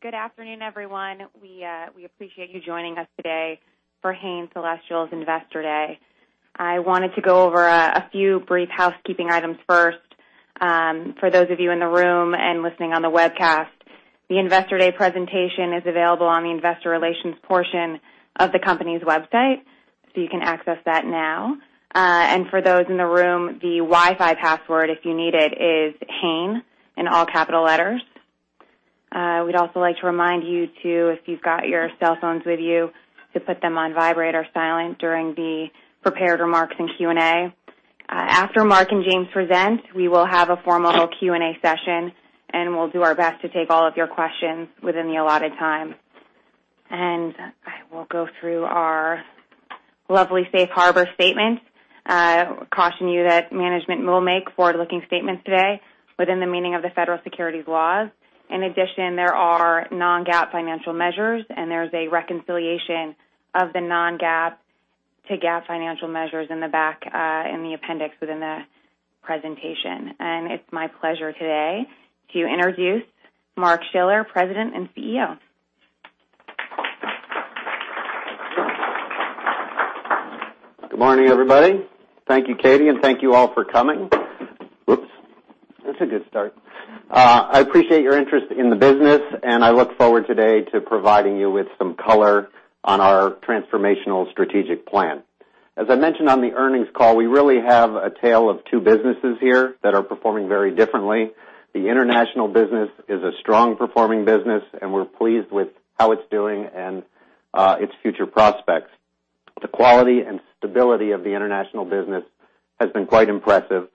All right. Thanks. Good afternoon, everyone. We appreciate you joining us today for Hain Celestial's Investor Day. I wanted to go over a few brief housekeeping items first. For those of you in the room and listening on the webcast, the Investor Day presentation is available on the investor relations portion of the company's website, so you can access that now. For those in the room, the Wi-Fi password, if you need it, is HAIN, in all capital letters. We'd also like to remind you too, if you've got your cell phones with you, to put them on vibrate or silent during the prepared remarks and Q&A. After Mark and James present, we will have a formal Q&A session, and we'll do our best to take all of your questions within the allotted time. I will go through our lovely safe harbor statement. Caution you that management will make forward-looking statements today within the meaning of the federal securities laws. In addition, there are non-GAAP financial measures, and there's a reconciliation of the non-GAAP to GAAP financial measures in the back in the appendix within the presentation. It's my pleasure today to introduce Mark Schiller, President and CEO. Good morning, everybody. Thank you, Katie, and thank you all for coming. That's a good start. I appreciate your interest in the business, and I look forward today to providing you with some color on our transformational strategic plan. As I mentioned on the earnings call, we really have a tale of two businesses here that are performing very differently. The international business is a strong performing business, and we're pleased with how it's doing and its future prospects. The quality and stability of the international business has been quite impressive.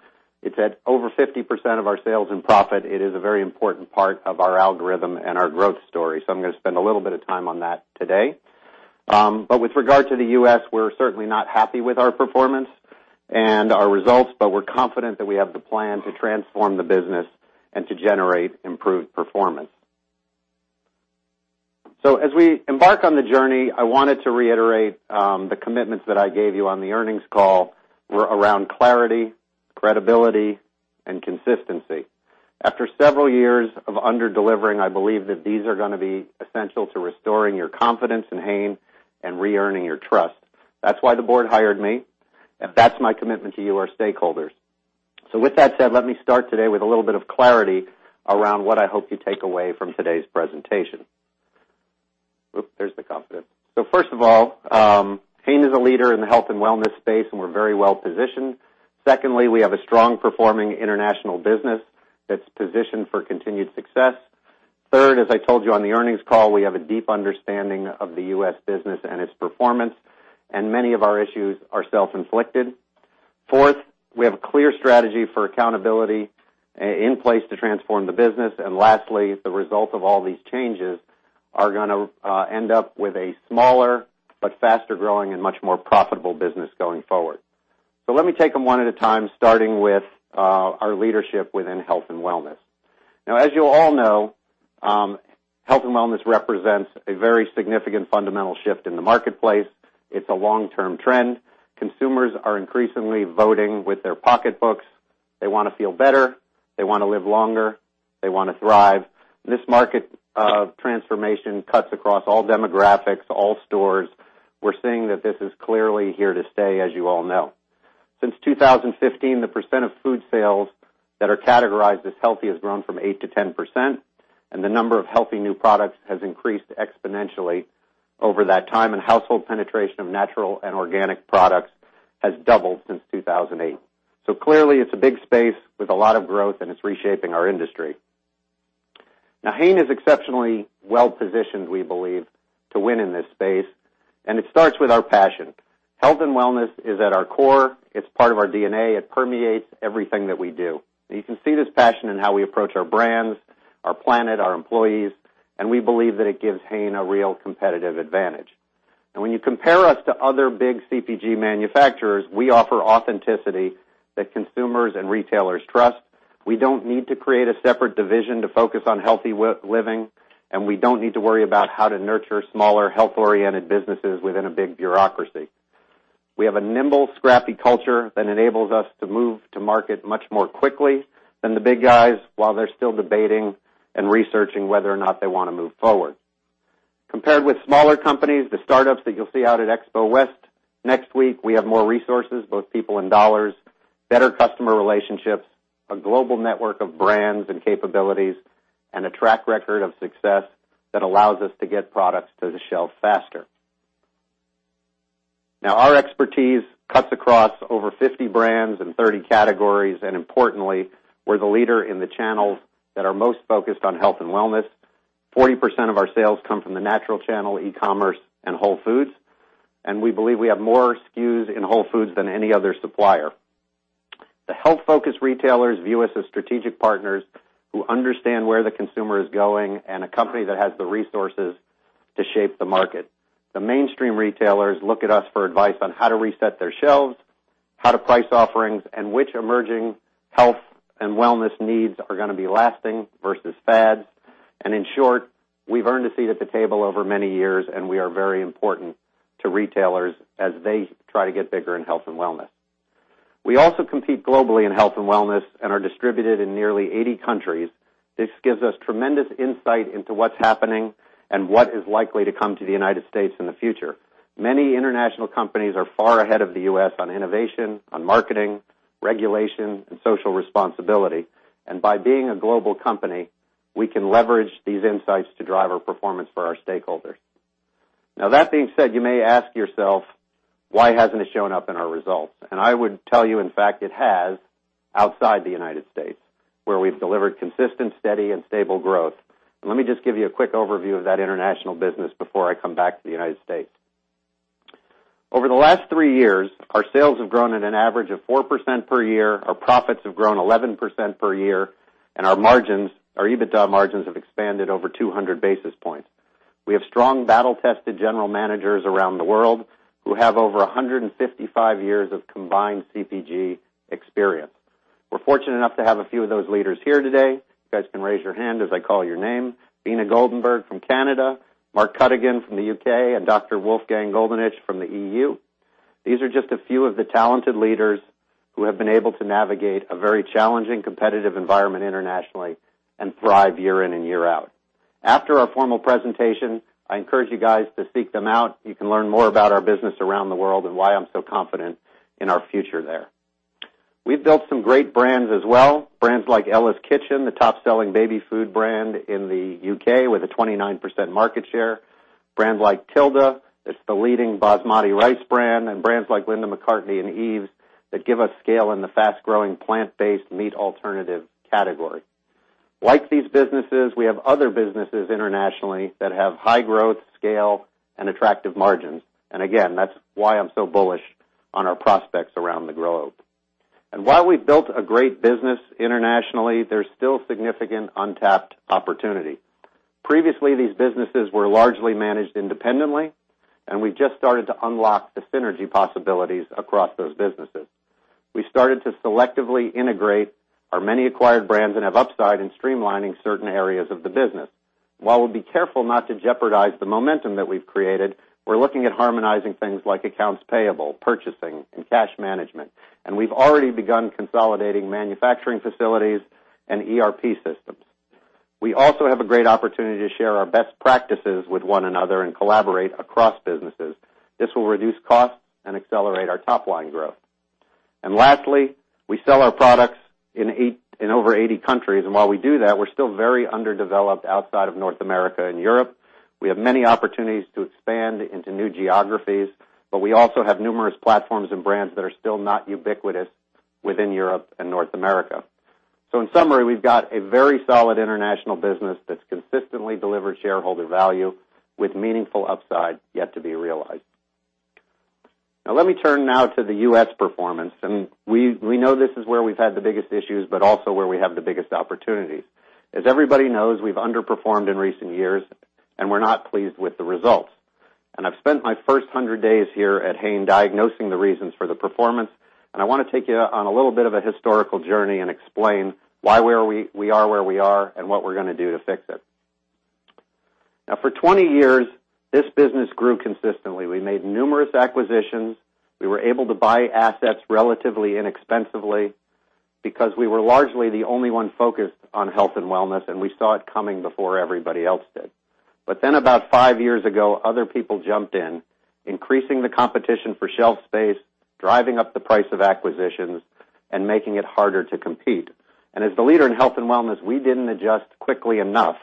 It's at over 50% of our sales and profit. It is a very important part of our algorithm and our growth story. I'm going to spend a little bit of time on that today. With regard to the U.S., we're certainly not happy with our performance and our results, but we're confident that we have the plan to transform the business and to generate improved performance. As we embark on the journey, I wanted to reiterate, the commitments that I gave you on the earnings call were around clarity, credibility, and consistency. After several years of under-delivering, I believe that these are going to be essential to restoring your confidence in Hain and re-earning your trust. That's why the board hired me, and that's my commitment to you, our stakeholders. With that said, let me start today with a little bit of clarity around what I hope you take away from today's presentation. Oops, there's the confident. First of all, Hain is a leader in the health and wellness space, and we're very well positioned. Secondly, we have a strong performing international business that's positioned for continued success. Third, as I told you on the earnings call, we have a deep understanding of the U.S. business and its performance, and many of our issues are self-inflicted. Fourth, we have a clear strategy for accountability in place to transform the business. Lastly, the result of all these changes are going to end up with a smaller but faster-growing and much more profitable business going forward. Let me take them one at a time, starting with our leadership within health and wellness. As you all know, health and wellness represents a very significant fundamental shift in the marketplace. It's a long-term trend. Consumers are increasingly voting with their pocketbooks. They want to feel better. They want to live longer. They want to thrive. This market of transformation cuts across all demographics, all stores. We're seeing that this is clearly here to stay, as you all know. Since 2015, the percent of food sales that are categorized as healthy has grown from 8% to 10%, and the number of healthy new products has increased exponentially over that time, and household penetration of natural and organic products has doubled since 2008. Clearly, it's a big space with a lot of growth, and it's reshaping our industry. Hain is exceptionally well-positioned, we believe, to win in this space, and it starts with our passion. Health and wellness is at our core. It's part of our DNA. It permeates everything that we do. You can see this passion in how we approach our brands, our planet, our employees, and we believe that it gives Hain a real competitive advantage. When you compare us to other big CPG manufacturers, we offer authenticity that consumers and retailers trust. We don't need to create a separate division to focus on healthy living, and we don't need to worry about how to nurture smaller health-oriented businesses within a big bureaucracy. We have a nimble, scrappy culture that enables us to move to market much more quickly than the big guys while they're still debating and researching whether or not they want to move forward. Compared with smaller companies, the startups that you'll see out at Expo West next week, we have more resources, both people and dollars, better customer relationships, a global network of brands and capabilities, and a track record of success that allows us to get products to the shelf faster. Our expertise cuts across over 50 brands and 30 categories. Importantly, we're the leader in the channels that are most focused on health and wellness. 40% of our sales come from the natural channel, e-commerce, and Whole Foods. We believe we have more SKUs in Whole Foods than any other supplier. The health-focused retailers view us as strategic partners who understand where the consumer is going and a company that has the resources to shape the market. The mainstream retailers look at us for advice on how to reset their shelves, how to price offerings, and which emerging health and wellness needs are going to be lasting versus fads. In short, we've earned a seat at the table over many years, and we are very important to retailers as they try to get bigger in health and wellness. We also compete globally in health and wellness and are distributed in nearly 80 countries. This gives us tremendous insight into what's happening and what is likely to come to the U.S. in the future. Many international companies are far ahead of the U.S. on innovation, on marketing, regulation, and social responsibility. By being a global company, we can leverage these insights to drive our performance for our stakeholders. That being said, you may ask yourself, why hasn't it shown up in our results? I would tell you, in fact, it has, outside the United States, where we've delivered consistent, steady, and stable growth. Let me just give you a quick overview of that international business before I come back to the United States. Over the last three years, our sales have grown at an average of 4% per year, our profits have grown 11% per year, and our EBITDA margins have expanded over 200 basis points. We have strong battle-tested general managers around the world who have over 155 years of combined CPG experience. We're fortunate enough to have a few of those leaders here today. You guys can raise your hand as I call your name. Beena Goldenberg from Canada, Mark Cuddigan from the U.K., and Dr. Wolfgang Goldenitsch from the EU. These are just a few of the talented leaders who have been able to navigate a very challenging competitive environment internationally and thrive year in and year out. After our formal presentation, I encourage you guys to seek them out. You can learn more about our business around the world and why I'm so confident in our future there. We've built some great brands as well. Brands like Ella's Kitchen, the top-selling baby food brand in the U.K. with a 29% market share. Brands like Tilda, it's the leading basmati rice brand, and brands like Linda McCartney and Yves that give us scale in the fast-growing plant-based meat alternative category. Like these businesses, we have other businesses internationally that have high growth, scale, and attractive margins. Again, that's why I'm so bullish on our prospects around the globe. While we've built a great business internationally, there's still significant untapped opportunity. Previously, these businesses were largely managed independently, and we've just started to unlock the synergy possibilities across those businesses. We started to selectively integrate our many acquired brands that have upside in streamlining certain areas of the business. While we'll be careful not to jeopardize the momentum that we've created, we're looking at harmonizing things like accounts payable, purchasing, and cash management. We've already begun consolidating manufacturing facilities and ERP systems. We also have a great opportunity to share our best practices with one another and collaborate across businesses. This will reduce costs and accelerate our top-line growth. Lastly, we sell our products in over 80 countries, and while we do that, we're still very underdeveloped outside of North America and Europe. We have many opportunities to expand into new geographies, but we also have numerous platforms and brands that are still not ubiquitous within Europe and North America. In summary, we've got a very solid international business that's consistently delivered shareholder value with meaningful upside yet to be realized. Let me turn now to the U.S. performance, we know this is where we've had the biggest issues, but also where we have the biggest opportunities. As everybody knows, we've underperformed in recent years, we're not pleased with the results. I've spent my first 100 days here at Hain diagnosing the reasons for the performance, I want to take you on a little bit of a historical journey and explain why we are where we are and what we're going to do to fix it. For 20 years, this business grew consistently. We made numerous acquisitions. We were able to buy assets relatively inexpensively because we were largely the only one focused on health and wellness, we saw it coming before everybody else did. About five years ago, other people jumped in, increasing the competition for shelf space, driving up the price of acquisitions, making it harder to compete. As the leader in health and wellness, we didn't adjust quickly enough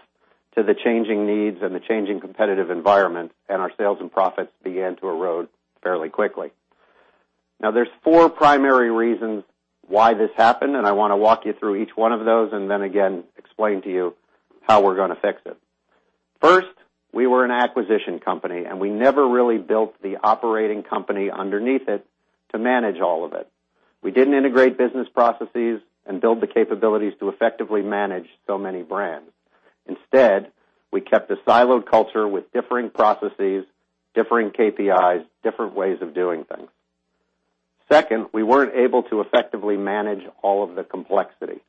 to the changing needs and the changing competitive environment, our sales and profits began to erode fairly quickly. There's four primary reasons why this happened, I want to walk you through each one of those and then again, explain to you how we're going to fix it. First, we were an acquisition company, we never really built the operating company underneath it to manage all of it. We didn't integrate business processes and build the capabilities to effectively manage so many brands. Instead, we kept a siloed culture with differing processes, differing KPIs, different ways of doing things. Second, we weren't able to effectively manage all of the complexity.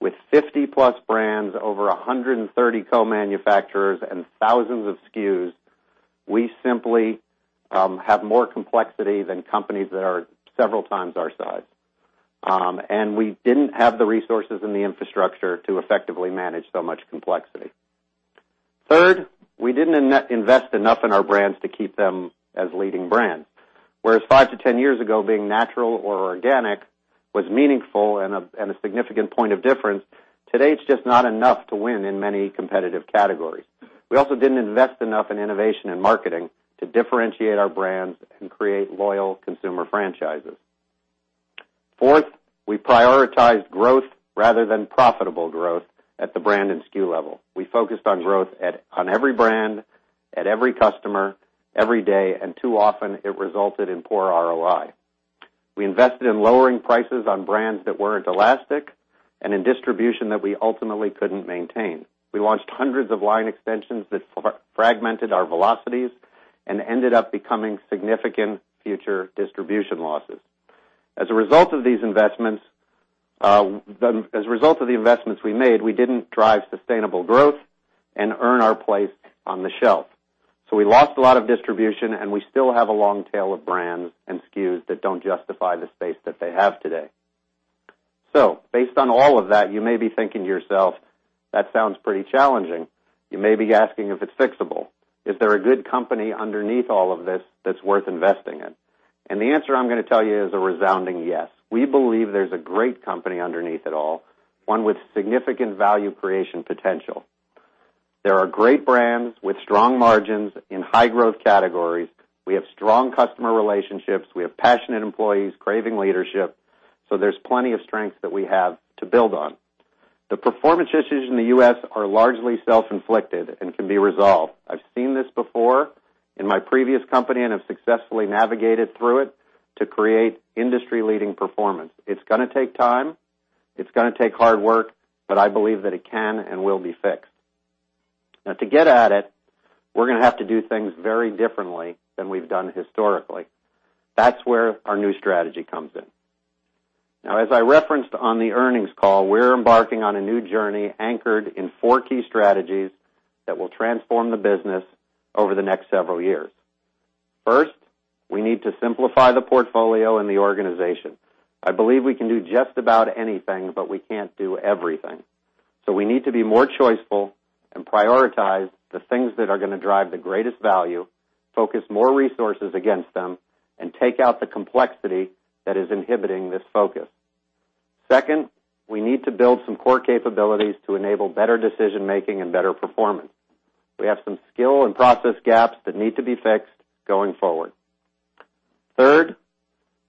With 50+ brands, over 130 co-manufacturers, and thousands of SKUs, we simply have more complexity than companies that are several times our size. We didn't have the resources and the infrastructure to effectively manage so much complexity. Third, we didn't invest enough in our brands to keep them as leading brands. Whereas five to 10 years ago, being natural or organic was meaningful and a significant point of difference, today it's just not enough to win in many competitive categories. We also didn't invest enough in innovation and marketing to differentiate our brands and create loyal consumer franchises. Fourth, we prioritized growth rather than profitable growth at the brand and SKU level. We focused on growth on every brand, at every customer, every day, and too often it resulted in poor ROI. We invested in lowering prices on brands that weren't elastic and in distribution that we ultimately couldn't maintain. We launched hundreds of line extensions that fragmented our velocities and ended up becoming significant future distribution losses. As a result of the investments we made, we didn't drive sustainable growth and earn our place on the shelf. We lost a lot of distribution, we still have a long tail of brands and SKUs that don't justify the space that they have today. Based on all of that, you may be thinking to yourself, "That sounds pretty challenging." You may be asking if it's fixable. Is there a good company underneath all of this that's worth investing in? The answer I'm going to tell you is a resounding yes. We believe there's a great company underneath it all, one with significant value creation potential. There are great brands with strong margins in high-growth categories. We have strong customer relationships. We have passionate employees craving leadership. There's plenty of strengths that we have to build on. The performance issues in the U.S. are largely self-inflicted and can be resolved. I've seen this before in my previous company, I've successfully navigated through it to create industry-leading performance. It's going to take time, it's going to take hard work, I believe that it can and will be fixed. To get at it, we're going to have to do things very differently than we've done historically. That's where our new strategy comes in. As I referenced on the earnings call, we're embarking on a new journey anchored in four key strategies that will transform the business over the next several years. First, we need to simplify the portfolio and the organization. I believe we can do just about anything, we can't do everything. We need to be more choiceful and prioritize the things that are going to drive the greatest value, focus more resources against them, and take out the complexity that is inhibiting this focus. Second, we need to build some core capabilities to enable better decision-making and better performance. We have some skill and process gaps that need to be fixed going forward. Third,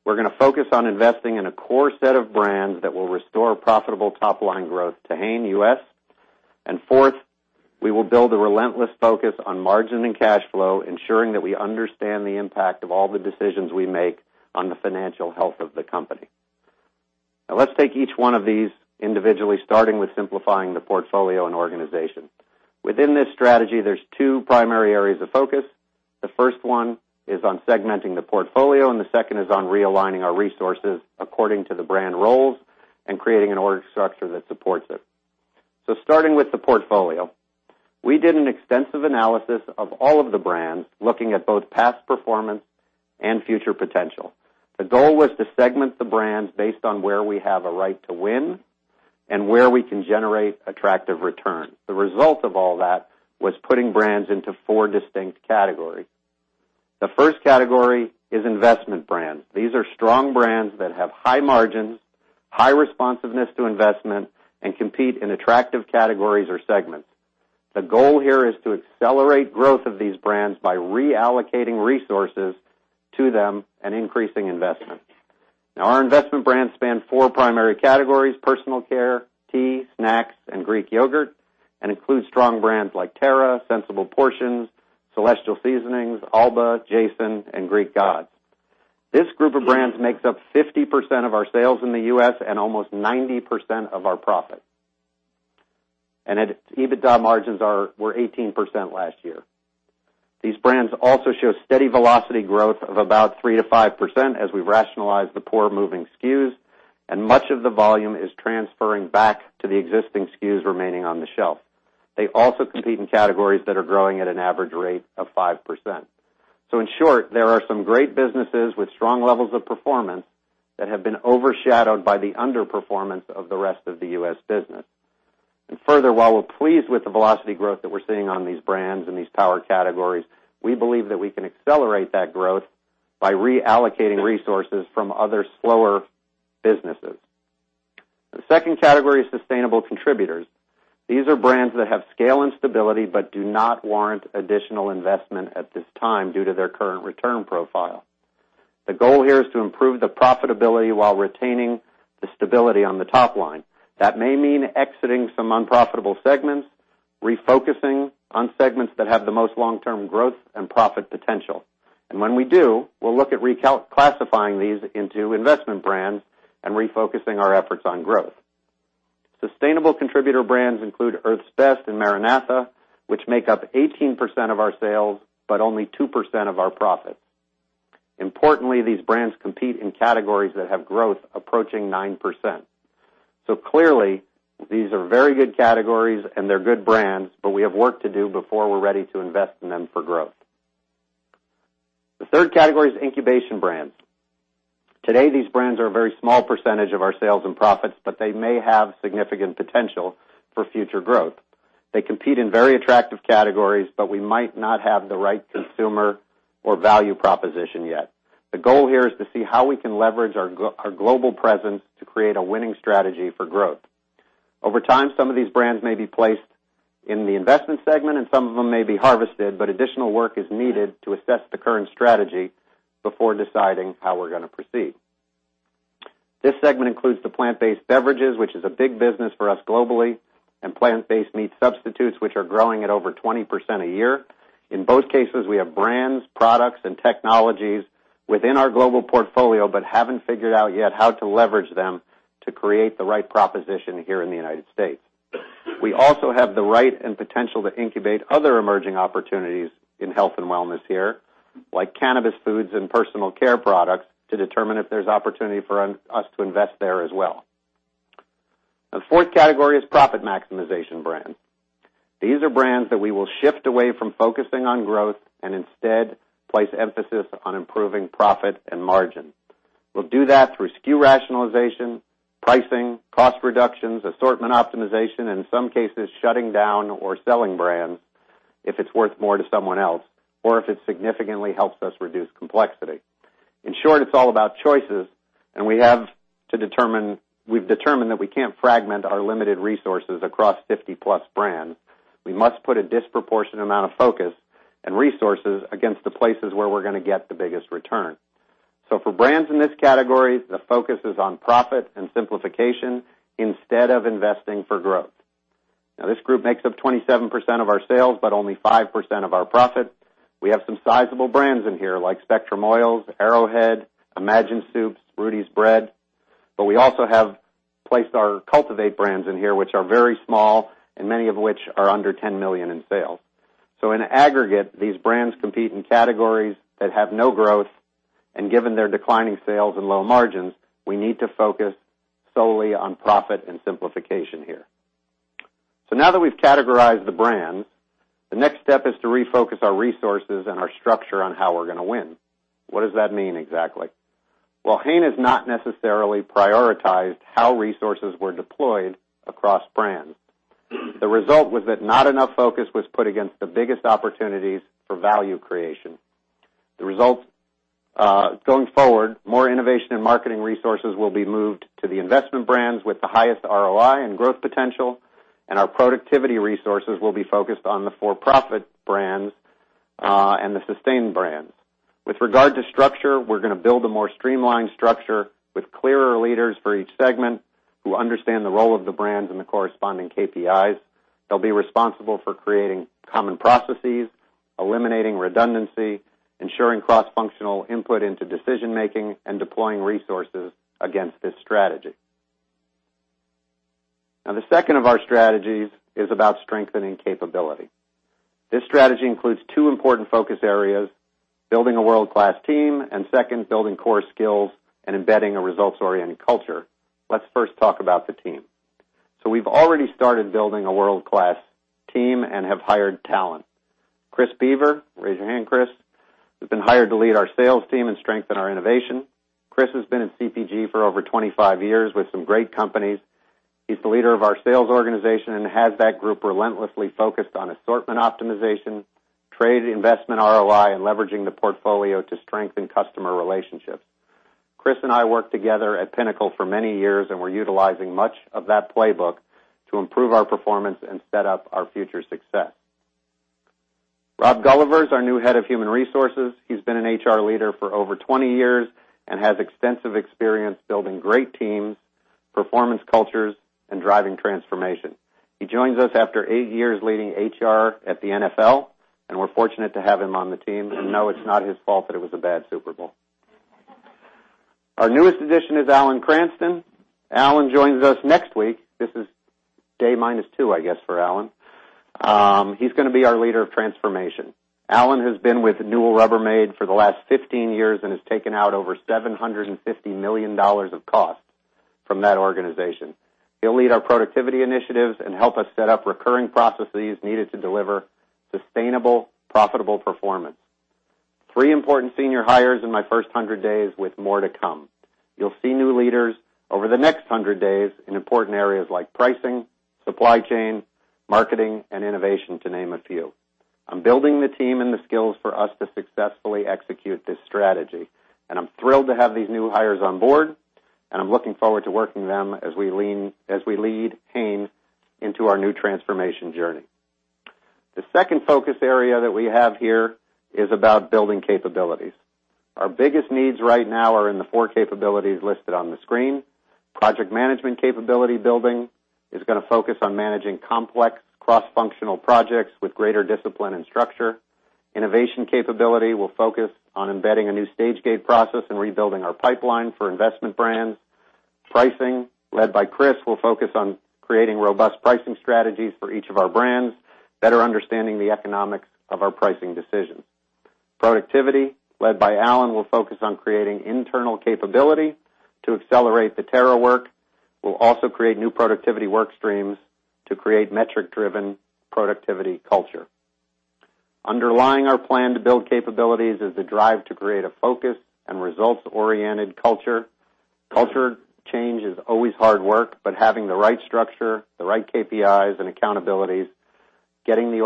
we're going to focus on investing in a core set of brands that will restore profitable top-line growth to Hain U.S. Fourth, we will build a relentless focus on margin and cash flow, ensuring that we understand the impact of all the decisions we make on the financial health of the company. Let's take each one of these individually, starting with simplifying the portfolio and organization. Within this strategy, there's two primary areas of focus. The first one is on segmenting the portfolio, the second is on realigning our resources according to the brand roles and creating an org structure that supports it. Starting with the portfolio, we did an extensive analysis of all of the brands, looking at both past performance and future potential. The goal was to segment the brands based on where we have a right to win and where we can generate attractive return. The result of all that was putting brands into four distinct categories. The first category is investment brands. These are strong brands that have high margins, high responsiveness to investment, compete in attractive categories or segments. The goal here is to accelerate growth of these brands by reallocating resources to them and increasing investment. Our investment brands span four primary categories, personal care, tea, snacks, and Greek yogurt, and includes strong brands like Terra, Sensible Portions, Celestial Seasonings, Alba, JASON, and The Greek Gods. This group of brands makes up 50% of our sales in the U.S. and almost 90% of our profit. Its EBITDA margins were 18% last year. These brands also show steady velocity growth of about 3%-5% as we rationalize the poor moving SKUs, much of the volume is transferring back to the existing SKUs remaining on the shelf. They also compete in categories that are growing at an average rate of 5%. In short, there are some great businesses with strong levels of performance that have been overshadowed by the underperformance of the rest of the U.S. business. Further, while we're pleased with the velocity growth that we're seeing on these brands and these power categories, we believe that we can accelerate that growth by reallocating resources from other slower businesses. The second category is sustainable contributors. These are brands that have scale and stability but do not warrant additional investment at this time due to their current return profile. The goal here is to improve the profitability while retaining the stability on the top line. That may mean exiting some unprofitable segments, refocusing on segments that have the most long-term growth and profit potential. When we do, we'll look at reclassifying these into investment brands and refocusing our efforts on growth. Sustainable contributor brands include Earth's Best and MaraNatha, which make up 18% of our sales, but only 2% of our profit. Importantly, these brands compete in categories that have growth approaching 9%. Clearly, these are very good categories and they're good brands, but we have work to do before we're ready to invest in them for growth. The third category is incubation brands. Today, these brands are a very small percentage of our sales and profits, but they may have significant potential for future growth. They compete in very attractive categories, but we might not have the right consumer or value proposition yet. The goal here is to see how we can leverage our global presence to create a winning strategy for growth. Over time, some of these brands may be placed in the investment segment and some of them may be harvested, but additional work is needed to assess the current strategy before deciding how we're going to proceed. This segment includes the plant-based beverages, which is a big business for us globally, and plant-based meat substitutes, which are growing at over 20% a year. In both cases, we have brands, products, and technologies within our global portfolio, but haven't figured out yet how to leverage them to create the right proposition here in the United States. We also have the right and potential to incubate other emerging opportunities in health and wellness here, like cannabis foods and personal care products, to determine if there's opportunity for us to invest there as well. The fourth category is profit maximization brands. These are brands that we will shift away from focusing on growth and instead place emphasis on improving profit and margin. We'll do that through SKU rationalization, pricing, cost reductions, assortment optimization, and in some cases, shutting down or selling brands if it's worth more to someone else or if it significantly helps us reduce complexity. In short, it's all about choices, and we've determined that we can't fragment our limited resources across 50+ brands. We must put a disproportionate amount of focus and resources against the places where we're going to get the biggest return. For brands in this category, the focus is on profit and simplification instead of investing for growth. This group makes up 27% of our sales, but only 5% of our profit. We have some sizable brands in here like Spectrum Oils, Arrowhead, Imagine Soups, Rudi's Bread, but we also have placed our Cultivate brands in here, which are very small and many of which are under $10 million in sales. In aggregate, these brands compete in categories that have no growth, and given their declining sales and low margins, we need to focus solely on profit and simplification here. Now that we've categorized the brands, the next step is to refocus our resources and our structure on how we're going to win. What does that mean exactly? Hain has not necessarily prioritized how resources were deployed across brands. The result was that not enough focus was put against the biggest opportunities for value creation. The results, going forward, more innovation and marketing resources will be moved to the investment brands with the highest ROI and growth potential, and our productivity resources will be focused on the for-profit brands and the sustained brands. With regard to structure, we're going to build a more streamlined structure with clearer leaders for each segment who understand the role of the brands and the corresponding KPIs. They'll be responsible for creating common processes, eliminating redundancy, ensuring cross-functional input into decision-making, and deploying resources against this strategy. The second of our strategies is about strengthening capability. This strategy includes two important focus areas, building a world-class team, and second, building core skills and embedding a results-oriented culture. Let's first talk about the team. We've already started building a world-class team and have hired talent. Chris Boever, raise your hand, Chris, has been hired to lead our sales team and strengthen our innovation. Chris has been in CPG for over 25 years with some great companies. He's the leader of our sales organization and has that group relentlessly focused on assortment optimization, trade investment ROI, and leveraging the portfolio to strengthen customer relationships. Chris and I worked together at Pinnacle for many years, and we're utilizing much of that playbook to improve our performance and set up our future success. Rob Gulliver is our new head of human resources. He's been an an HR leader for over 20 years and has extensive experience building great teams, performance cultures, and driving transformation. He joins us after eight years leading HR at the NFL, and we're fortunate to have him on the team. No, it's not his fault that it was a bad Super Bowl. Our newest addition is Alan Cranston. Alan joins us next week. This is day minus two, I guess, for Alan. He's going to be our leader of transformation. Alan has been with Newell Rubbermaid for the last 15 years and has taken out over $750 million of costs from that organization. He'll lead our productivity initiatives and help us set up recurring processes needed to deliver sustainable, profitable performance. Three important senior hires in my first 100 days with more to come. You'll see new leaders over the next 100 days in important areas like pricing, supply chain, marketing, and innovation, to name a few. I'm building the team and the skills for us to successfully execute this strategy. I'm thrilled to have these new hires on board, and I'm looking forward to working with them as we lead Hain into our new transformation journey. The second focus area that we have here is about building capabilities. Our biggest needs right now are in the four capabilities listed on the screen. Project management capability building is going to focus on managing complex cross-functional projects with greater discipline and structure. Innovation capability will focus on embedding a new stage gate process and rebuilding our pipeline for investment brands. Pricing, led by Chris, will focus on creating robust pricing strategies for each of our brands, better understanding the economics of our pricing decisions. Productivity, led by Alan, will focus on creating internal capability to accelerate the Terra work. We'll also create new productivity work streams to create metric-driven productivity culture. Underlying our plan to build capabilities is the drive to create a focused and results-oriented culture. Culture change is always hard work, having the right structure, the right KPIs and accountabilities, getting the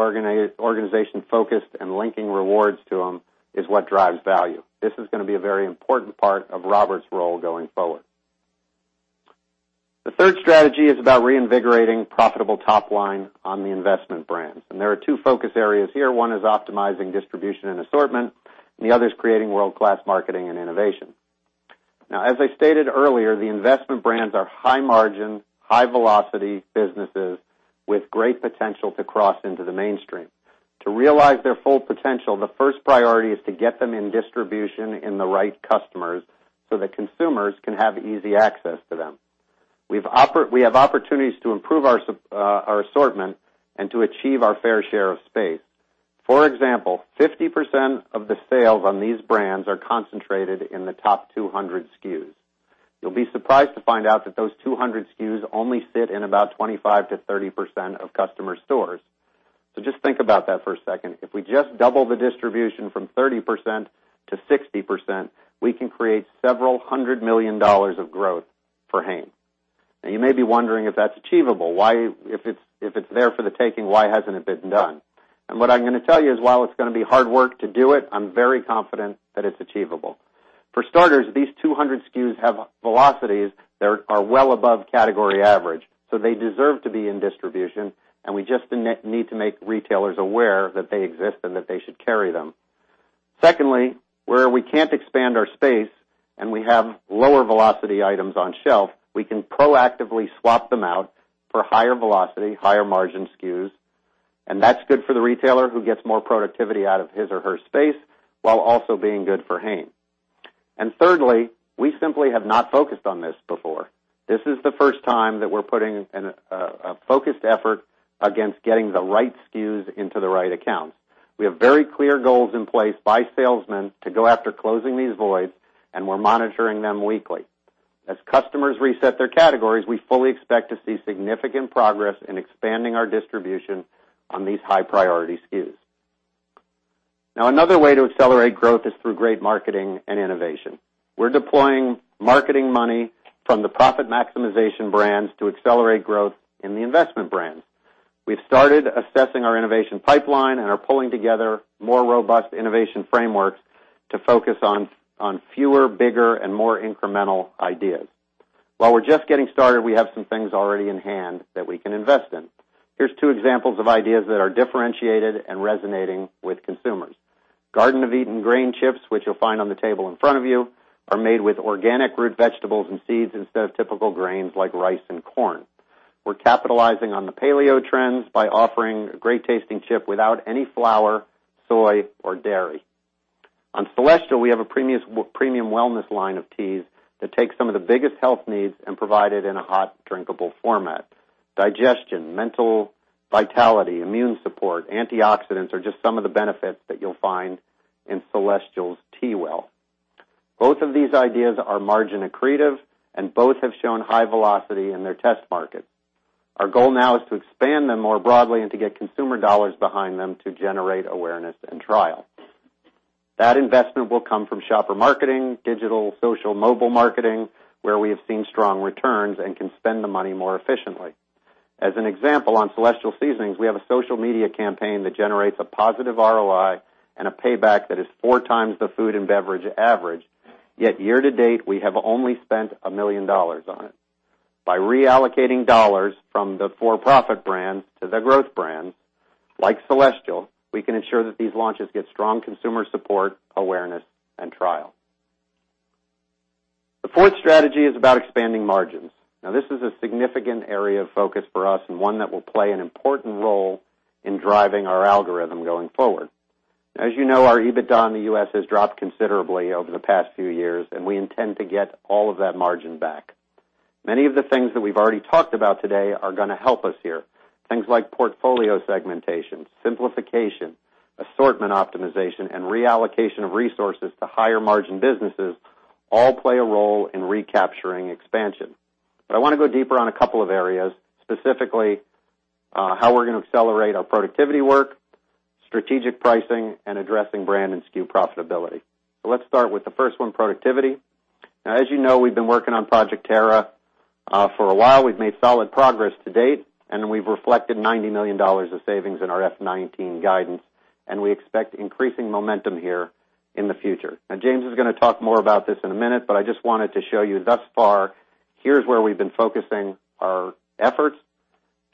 organization focused, and linking rewards to them is what drives value. This is going to be a very important part of Robert's role going forward. The third strategy is about reinvigorating profitable top line on the investment brands, and there are two focus areas here. One is optimizing distribution and assortment, and the other is creating world-class marketing and innovation. As I stated earlier, the investment brands are high margin, high velocity businesses with great potential to cross into the mainstream. To realize their full potential, the first priority is to get them in distribution in the right customers so that consumers can have easy access to them. We have opportunities to improve our assortment and to achieve our fair share of space. For example, 50% of the sales on these brands are concentrated in the top 200 SKUs. You'll be surprised to find out that those 200 SKUs only fit in about 25%-30% of customer stores. Just think about that for a second. If we just double the distribution from 30%-60%, we can create several hundred million dollars of growth for Hain. You may be wondering if that's achievable. If it's there for the taking, why hasn't it been done? What I'm going to tell you is, while it's going to be hard work to do it, I'm very confident that it's achievable. For starters, these 200 SKUs have velocities that are well above category average, so they deserve to be in distribution, and we just need to make retailers aware that they exist and that they should carry them. Secondly, where we can't expand our space and we have lower velocity items on shelf, we can proactively swap them out for higher velocity, higher margin SKUs, and that's good for the retailer who gets more productivity out of his or her space while also being good for Hain. Thirdly, we simply have not focused on this before. This is the first time that we're putting a focused effort against getting the right SKUs into the right accounts. We have very clear goals in place by salesmen to go after closing these voids, and we're monitoring them weekly. As customers reset their categories, we fully expect to see significant progress in expanding our distribution on these high-priority SKUs. Another way to accelerate growth is through great marketing and innovation. We're deploying marketing money from the profit maximization brands to accelerate growth in the investment brands. We've started assessing our innovation pipeline and are pulling together more robust innovation frameworks to focus on fewer, bigger, and more incremental ideas. While we're just getting started, we have some things already in hand that we can invest in. Here's two examples of ideas that are differentiated and resonating with consumers. Garden of Eatin' Grain Chips, which you'll find on the table in front of you, are made with organic root vegetables and seeds instead of typical grains like rice and corn. We're capitalizing on the paleo trends by offering a great-tasting chip without any flour, soy, or dairy. On Celestial, we have a premium wellness line of teas that takes some of the biggest health needs and provide it in a hot, drinkable format. Digestion, mental vitality, immune support, antioxidants are just some of the benefits that you'll find in Celestial's TeaWell. Both of these ideas are margin accretive, both have shown high velocity in their test market. Our goal now is to expand them more broadly and to get consumer dollars behind them to generate awareness and trial. That investment will come from shopper marketing, digital, social, mobile marketing, where we have seen strong returns and can spend the money more efficiently. As an example, on Celestial Seasonings, we have a social media campaign that generates a positive ROI and a payback that is four times the food and beverage average. Year to date, we have only spent $1 million on it. By reallocating dollars from the for-profit brands to the growth brands, like Celestial, we can ensure that these launches get strong consumer support, awareness, and trial. The fourth strategy is about expanding margins. This is a significant area of focus for us and one that will play an important role in driving our algorithm going forward. As you know, our EBITDA in the U.S. has dropped considerably over the past few years, we intend to get all of that margin back. Many of the things that we've already talked about today are going to help us here. Things like portfolio segmentation, simplification, assortment optimization, and reallocation of resources to higher margin businesses all play a role in recapturing expansion. I want to go deeper on a couple of areas, specifically how we're going to accelerate our productivity work, strategic pricing, and addressing brand and SKU profitability. Let's start with the first one, productivity. As you know, we've been working on Project Terra for a while. We've made solid progress to date, we've reflected $90 million of savings in our F19 guidance, we expect increasing momentum here in the future. James is going to talk more about this in a minute, I just wanted to show you thus far, here's where we've been focusing our efforts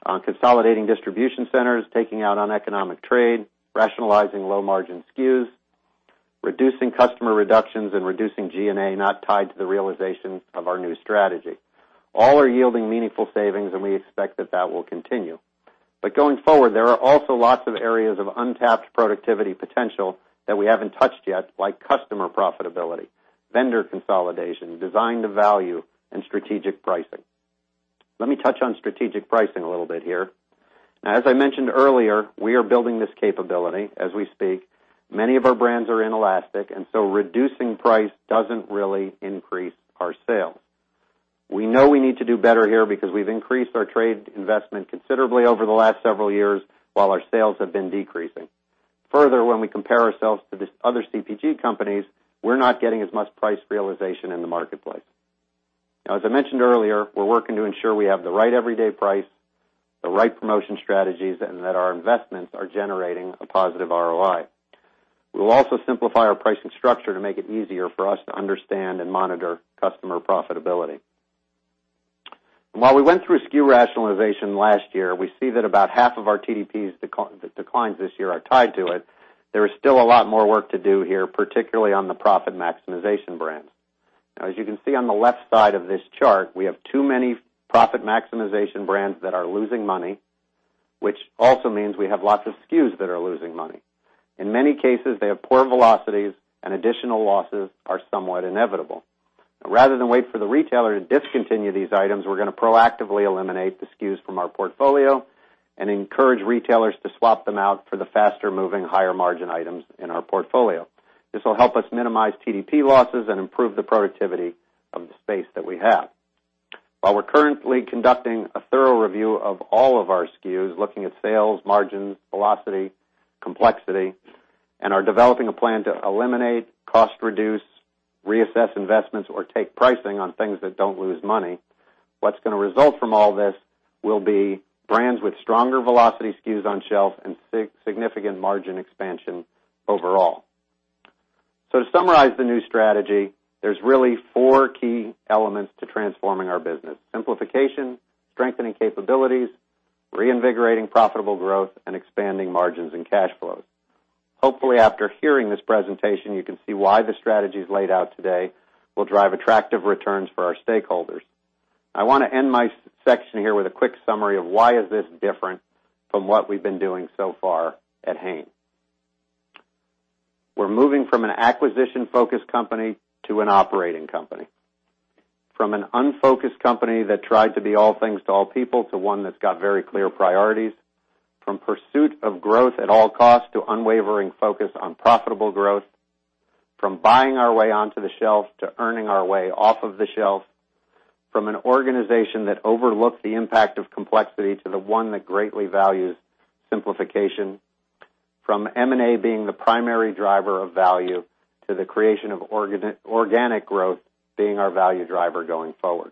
on consolidating distribution centers, taking out uneconomic trade, rationalizing low-margin SKUs, reducing customer reductions, and reducing G&A not tied to the realization of our new strategy. All are yielding meaningful savings, we expect that that will continue. Going forward, there are also lots of areas of untapped productivity potential that we haven't touched yet, like customer profitability, vendor consolidation, design to value, and strategic pricing. Let me touch on strategic pricing a little bit here. As I mentioned earlier, we are building this capability as we speak. Many of our brands are inelastic. Reducing price doesn't really increase our sales. We know we need to do better here because we've increased our trade investment considerably over the last several years while our sales have been decreasing. Further, when we compare ourselves to other CPG companies, we're not getting as much price realization in the marketplace. As I mentioned earlier, we're working to ensure we have the right everyday price, the right promotion strategies, and that our investments are generating a positive ROI. We will also simplify our pricing structure to make it easier for us to understand and monitor customer profitability. While we went through SKU rationalization last year, we see that about half of our TDPs declines this year are tied to. There is still a lot more work to do here, particularly on the profit maximization brands. As you can see on the left side of this chart, we have too many profit maximization brands that are losing money, which also means we have lots of SKUs that are losing money. In many cases, they have poor velocities and additional losses are somewhat inevitable. Rather than wait for the retailer to discontinue these items, we're going to proactively eliminate the SKUs from our portfolio and encourage retailers to swap them out for the faster moving, higher margin items in our portfolio. This will help us minimize TDP losses and improve the productivity of the space that we have. While we're currently conducting a thorough review of all of our SKUs, looking at sales, margins, velocity, complexity, and are developing a plan to eliminate, cost reduce, reassess investments, or take pricing on things that don't lose money, what's going to result from all this will be brands with stronger velocity SKUs on shelf and significant margin expansion overall. To summarize the new strategy, there's really four key elements to transforming our business: simplification, strengthening capabilities, reinvigorating profitable growth, and expanding margins and cash flows. Hopefully, after hearing this presentation, you can see why the strategies laid out today will drive attractive returns for our stakeholders. I want to end my section here with a quick summary of why is this different from what we've been doing so far at Hain. We're moving from an acquisition-focused company to an operating company. From an unfocused company that tried to be all things to all people, to one that's got very clear priorities. From pursuit of growth at all costs to unwavering focus on profitable growth. From buying our way onto the shelf to earning our way off of the shelf. From an organization that overlooks the impact of complexity to the one that greatly values simplification. From M&A being the primary driver of value to the creation of organic growth being our value driver going forward.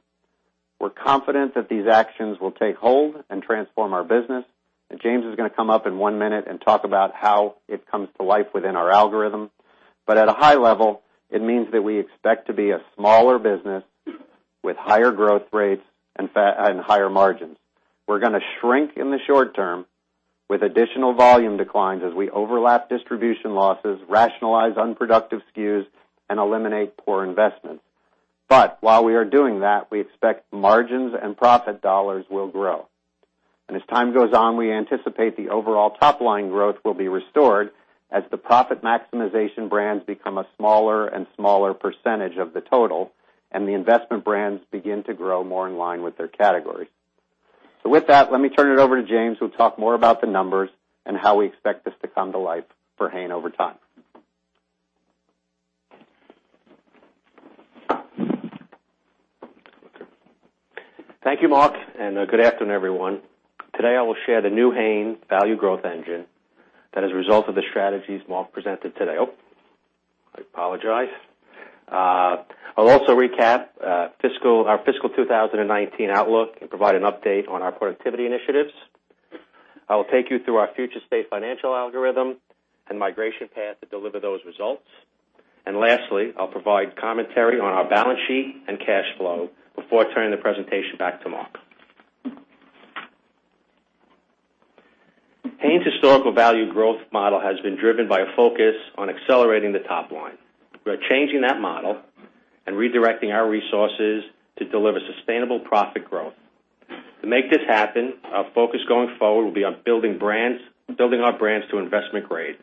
We're confident that these actions will take hold and transform our business. James is going to come up in one minute and talk about how it comes to life within our algorithm. At a high level, it means that we expect to be a smaller business with higher growth rates and higher margins. We're going to shrink in the short term with additional volume declines as we overlap distribution losses, rationalize unproductive SKUs, and eliminate poor investments. While we are doing that, we expect margins and profit dollars will grow. As time goes on, we anticipate the overall top line growth will be restored as the profit maximization brands become a smaller and smaller percentage of the total, and the investment brands begin to grow more in line with their category. With that, let me turn it over to James, who'll talk more about the numbers and how we expect this to come to life for Hain over time. Thank you, Mark, and good afternoon, everyone. Today, I will share the new Hain value growth engine that is a result of the strategies Mark presented today. Oh, I apologize. I'll also recap our fiscal 2019 outlook and provide an update on our productivity initiatives. I will take you through our future state financial algorithm and migration path to deliver those results. Lastly, I'll provide commentary on our balance sheet and cash flow before turning the presentation back to Mark. Hain's historical value growth model has been driven by a focus on accelerating the top line. We are changing that model and redirecting our resources to deliver sustainable profit growth. To make this happen, our focus going forward will be on building our brands to investment grade.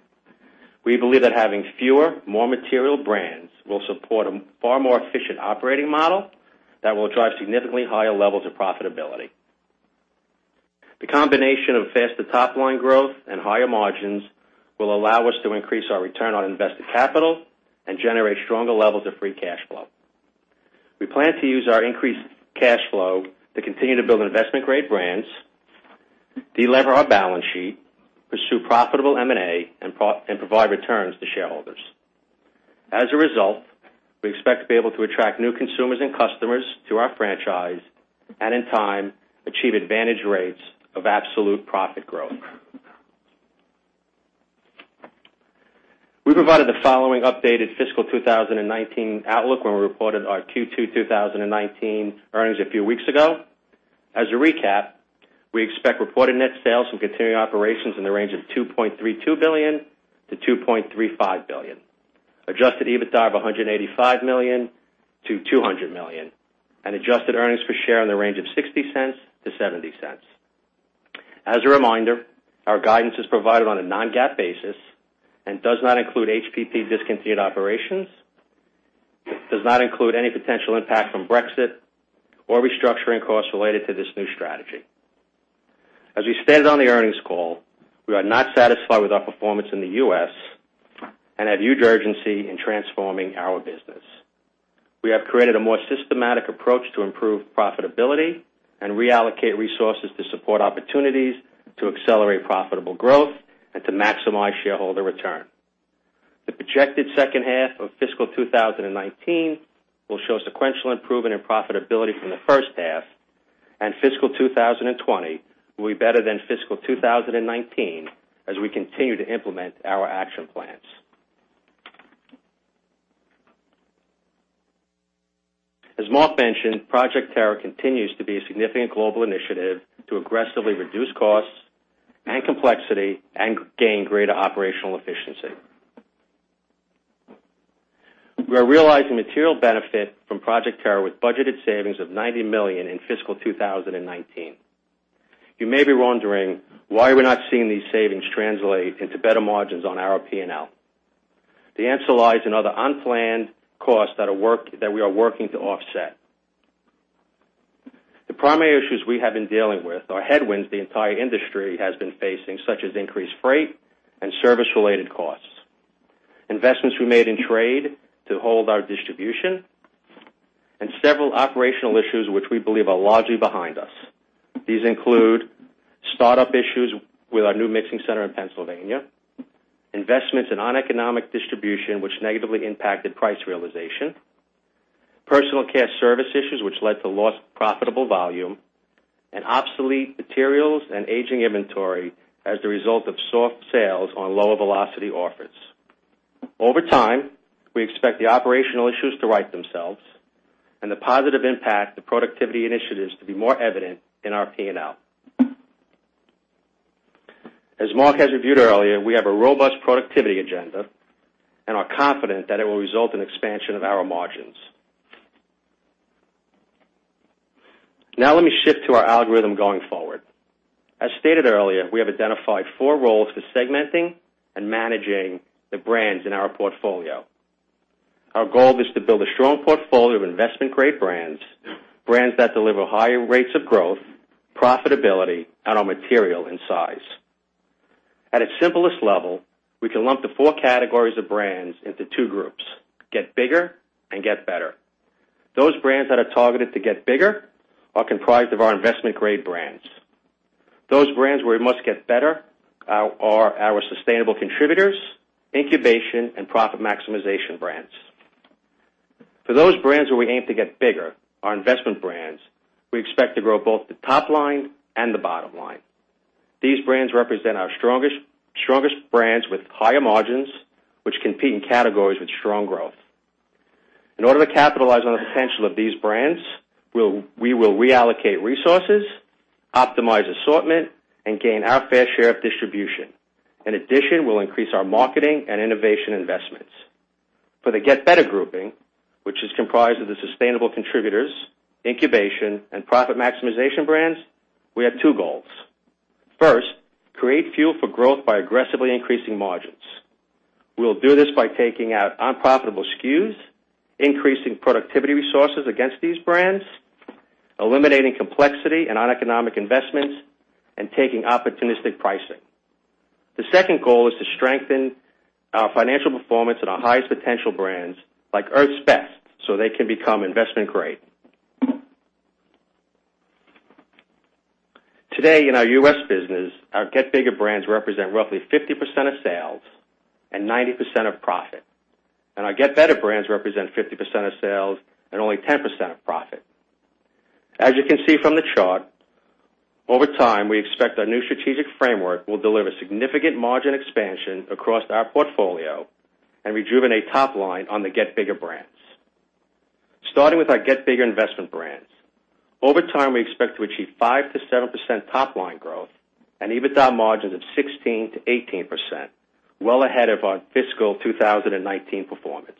We believe that having fewer, more material brands will support a far more efficient operating model that will drive significantly higher levels of profitability. The combination of faster top-line growth and higher margins will allow us to increase our return on invested capital and generate stronger levels of free cash flow. We plan to use our increased cash flow to continue to build investment-grade brands, delever our balance sheet, pursue profitable M&A, and provide returns to shareholders. As a result, we expect to be able to attract new consumers and customers to our franchise, and in time, achieve advantage rates of absolute profit growth. We provided the following updated fiscal 2019 outlook when we reported our Q2 2019 earnings a few weeks ago. As a recap, we expect reported net sales from continuing operations in the range of $2.32 billion-$2.35 billion, adjusted EBITDA of $185 million-$200 million, and adjusted earnings per share in the range of $0.60-$0.70. As a reminder, our guidance is provided on a non-GAAP basis and does not include HPP discontinued operations, does not include any potential impact from Brexit or restructuring costs related to this new strategy. As we stated on the earnings call, we are not satisfied with our performance in the U.S. and have huge urgency in transforming our business. We have created a more systematic approach to improve profitability and reallocate resources to support opportunities to accelerate profitable growth and to maximize shareholder return. The projected second half of fiscal 2019 will show sequential improvement and profitability from the first half, and fiscal 2020 will be better than fiscal 2019 as we continue to implement our action plan. As Mark mentioned, Project Terra continues to be a significant global initiative to aggressively reduce costs and complexity and gain greater operational efficiency. We are realizing material benefit from Project Terra with budgeted savings of $90 million in fiscal 2019. You may be wondering why we're not seeing these savings translate into better margins on our P&L. The answer lies in other unplanned costs that we are working to offset. The primary issues we have been dealing with are headwinds the entire industry has been facing, such as increased freight and service-related costs, investments we made in trade to hold our distribution, and several operational issues which we believe are largely behind us. These include startup issues with our new mixing center in Pennsylvania, investments in non-economic distribution, which negatively impacted price realization, personal care service issues, which led to lost profitable volume, and obsolete materials and aging inventory as the result of soft sales on lower velocity offers. Over time, we expect the operational issues to right themselves and the positive impact of productivity initiatives to be more evident in our P&L. As Mark has reviewed earlier, we have a robust productivity agenda and are confident that it will result in expansion of our margins. Now let me shift to our algorithm going forward. As stated earlier, we have identified four roles for segmenting and managing the brands in our portfolio. Our goal is to build a strong portfolio of investment-grade brands that deliver higher rates of growth, profitability, and are material in size. At its simplest level, we can lump the four categories of brands into two groups, get bigger and get better. Those brands that are targeted to get bigger are comprised of our investment-grade brands. Those brands where we must get better are our sustainable contributors, incubation, and profit maximization brands. For those brands where we aim to get bigger, our investment brands, we expect to grow both the top line and the bottom line. These brands represent our strongest brands with higher margins, which compete in categories with strong growth. In order to capitalize on the potential of these brands, we will reallocate resources, optimize assortment, and gain our fair share of distribution. In addition, we'll increase our marketing and innovation investments. For the get better grouping, which is comprised of the sustainable contributors, incubation, and profit maximization brands, we have two goals. First, create fuel for growth by aggressively increasing margins. We'll do this by taking out unprofitable SKUs, increasing productivity resources against these brands, eliminating complexity and uneconomic investments, and taking opportunistic pricing. The second goal is to strengthen our financial performance in our highest potential brands, like Earth's Best, so they can become investment grade. Today in our U.S. business, our get bigger brands represent roughly 50% of sales and 90% of profit. Our get better brands represent 50% of sales and only 10% of profit. As you can see from the chart, over time, we expect our new strategic framework will deliver significant margin expansion across our portfolio and rejuvenate top line on the get bigger brands. Starting with our get bigger investment brands. Over time, we expect to achieve 5%-7% top line growth and EBITDA margins of 16%-18%, well ahead of our fiscal 2019 performance.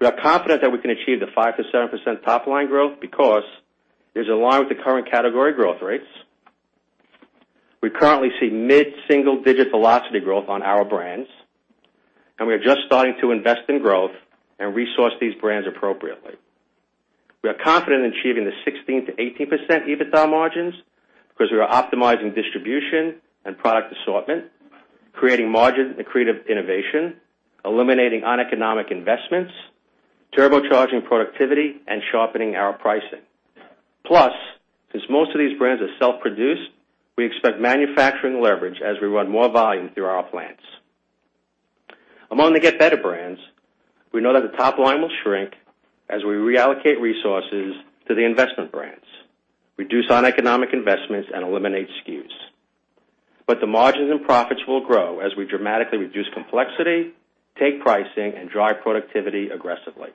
We are confident that we can achieve the 5%-7% top line growth because it is in line with the current category growth rates. We currently see mid-single-digit velocity growth on our brands, and we are just starting to invest in growth and resource these brands appropriately. We are confident in achieving the 16%-18% EBITDA margins because we are optimizing distribution and product assortment, creating margin and creative innovation, eliminating uneconomic investments, turbocharging productivity, and sharpening our pricing. Since most of these brands are self-produced, we expect manufacturing leverage as we run more volume through our plants. Among the get better brands, we know that the top line will shrink as we reallocate resources to the investment brands, reduce uneconomic investments, and eliminate SKUs. The margins and profits will grow as we dramatically reduce complexity, take pricing, and drive productivity aggressively.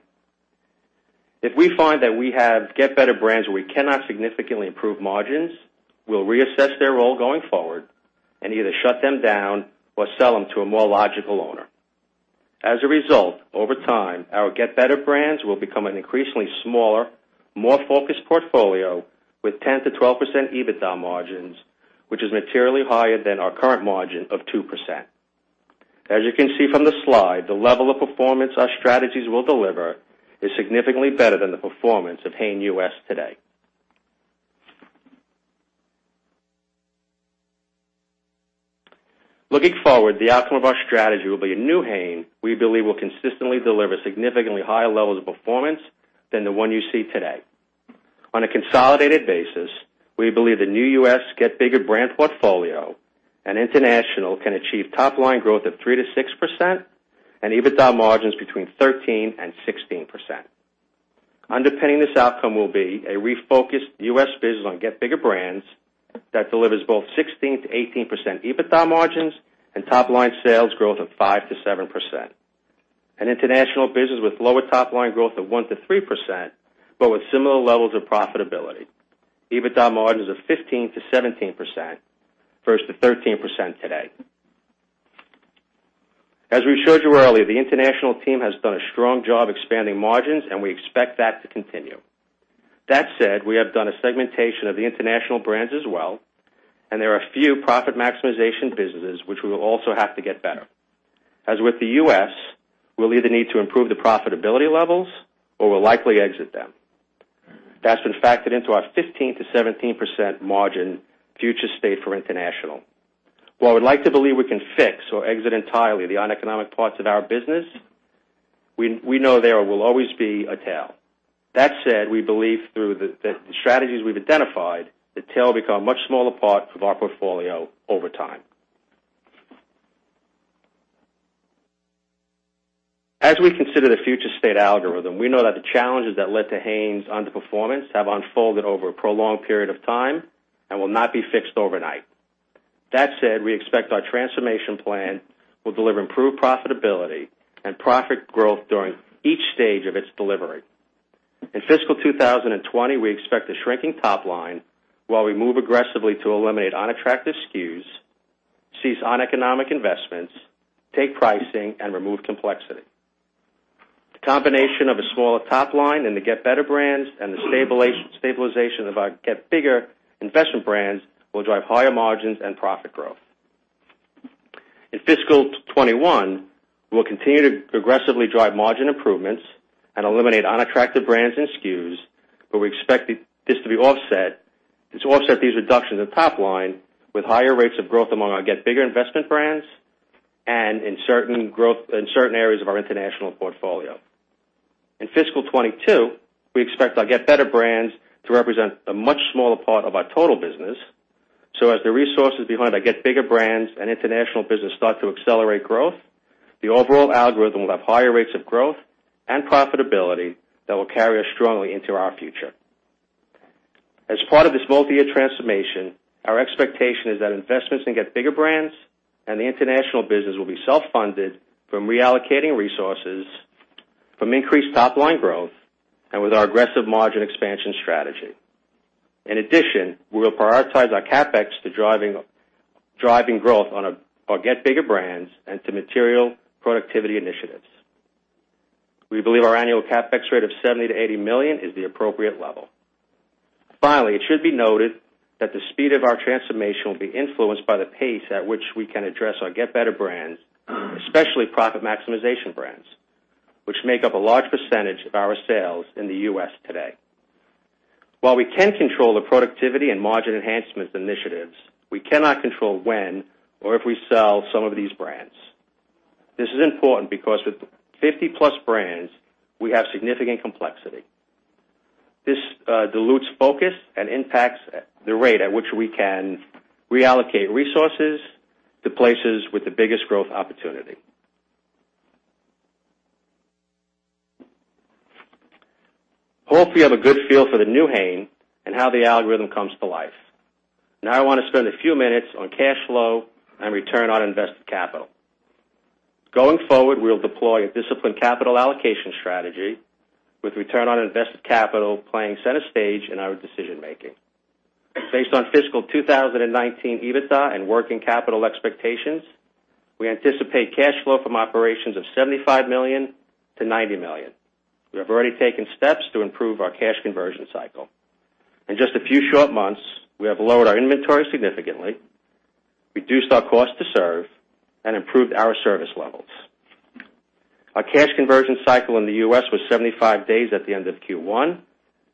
If we find that we have get better brands where we cannot significantly improve margins, we'll reassess their role going forward and either shut them down or sell them to a more logical owner. As a result, over time, our get better brands will become an increasingly smaller, more focused portfolio with 10%-12% EBITDA margins, which is materially higher than our current margin of 2%. As you can see from the slide, the level of performance our strategies will deliver is significantly better than the performance of Hain U.S. today. Looking forward, the outcome of our strategy will be a new Hain we believe will consistently deliver significantly higher levels of performance than the one you see today. On a consolidated basis, we believe the new U.S. get bigger brand portfolio and international can achieve top line growth of 3%-6% and EBITDA margins between 13% and 16%. Underpinning this outcome will be a refocused U.S. business on get bigger brands that delivers both 16%-18% EBITDA margins and top-line sales growth of 5%-7%. An international business with lower top-line growth of 1%-3%, but with similar levels of profitability. EBITDA margins of 15%-17%, versus the 13% today. As we showed you earlier, the international team has done a strong job expanding margins, and we expect that to continue. That said, we have done a segmentation of the international brands as well, and there are a few profit maximization businesses which we will also have to get better. As with the U.S., we'll either need to improve the profitability levels or we'll likely exit them. That's been factored into our 15%-17% margin future state for international. While we'd like to believe we can fix or exit entirely the uneconomic parts of our business, we know there will always be a tail. That said, we believe through the strategies we've identified, the tail become much smaller part of our portfolio over time. As we consider the future state algorithm, we know that the challenges that led to Hain's underperformance have unfolded over a prolonged period of time and will not be fixed overnight. That said, we expect our transformation plan will deliver improved profitability and profit growth during each stage of its delivery. In fiscal 2020, we expect a shrinking top line while we move aggressively to eliminate unattractive SKUs, cease uneconomic investments, take pricing, and remove complexity. The combination of a smaller top line and the get better brands and the stabilization of our get bigger investment brands will drive higher margins and profit growth. In fiscal 2021, we'll continue to aggressively drive margin improvements and eliminate unattractive brands and SKUs, but we expect to offset these reductions in top line with higher rates of growth among our get bigger investment brands, and in certain areas of our international portfolio. In fiscal 2022, we expect our get better brands to represent a much smaller part of our total business. As the resources behind our get bigger brands and international business start to accelerate growth, the overall algorithm will have higher rates of growth and profitability that will carry us strongly into our future. As part of this multi-year transformation, our expectation is that investments in get bigger brands and the international business will be self-funded from reallocating resources from increased top-line growth and with our aggressive margin expansion strategy. In addition, we will prioritize our CapEx to driving growth on our get bigger brands and to material productivity initiatives. We believe our annual CapEx rate of $70 million-$80 million is the appropriate level. Finally, it should be noted that the speed of our transformation will be influenced by the pace at which we can address our get better brands, especially profit maximization brands, which make up a large percentage of our sales in the U.S. today. While we can control the productivity and margin enhancement initiatives, we cannot control when or if we sell some of these brands. This is important because with 50+ brands, we have significant complexity. This dilutes focus and impacts the rate at which we can reallocate resources to places with the biggest growth opportunity. Hope, you have a good feel for the new Hain and how the algorithm comes to life. Now, I want to spend a few minutes on cash flow and return on invested capital. Going forward, we will deploy a disciplined capital allocation strategy with return on invested capital playing center stage in our decision-making. Based on fiscal 2019 EBITDA and working capital expectations, we anticipate cash flow from operations of $75 million to $90 million. We have already taken steps to improve our cash conversion cycle. In just a few short months, we have lowered our inventory significantly, reduced our cost to serve, and improved our service levels. Our cash conversion cycle in the U.S. was 75 days at the end of Q1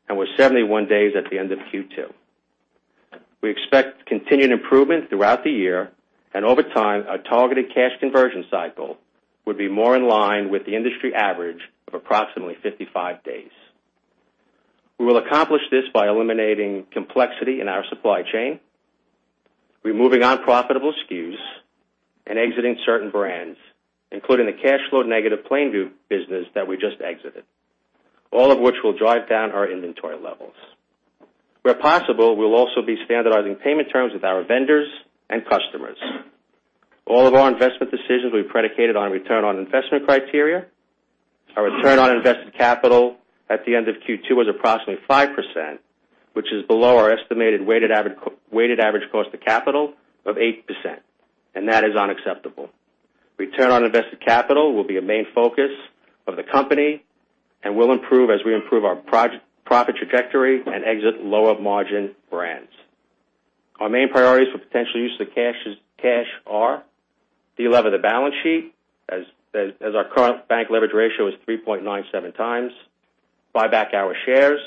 and was 71 days at the end of Q2. We expect continued improvement throughout the year, and over time, our targeted cash conversion cycle would be more in line with the industry average of approximately 55 days. We will accomplish this by eliminating complexity in our supply chain, removing unprofitable SKUs, and exiting certain brands, including the cash flow-negative Plainville business that we just exited. All of which will drive down our inventory levels. Where possible, we'll also be standardizing payment terms with our vendors and customers. All of our investment decisions will be predicated on return on investment criteria. Our return on invested capital at the end of Q2 was approximately 5%, which is below our estimated weighted average cost of capital of 8%. That is unacceptable. Return on invested capital will be a main focus of the company and will improve as we improve our profit trajectory and exit lower-margin brands. Our main priorities for potential use of cash are delever the balance sheet, as our current bank leverage ratio is 3.97 times, buy back our shares,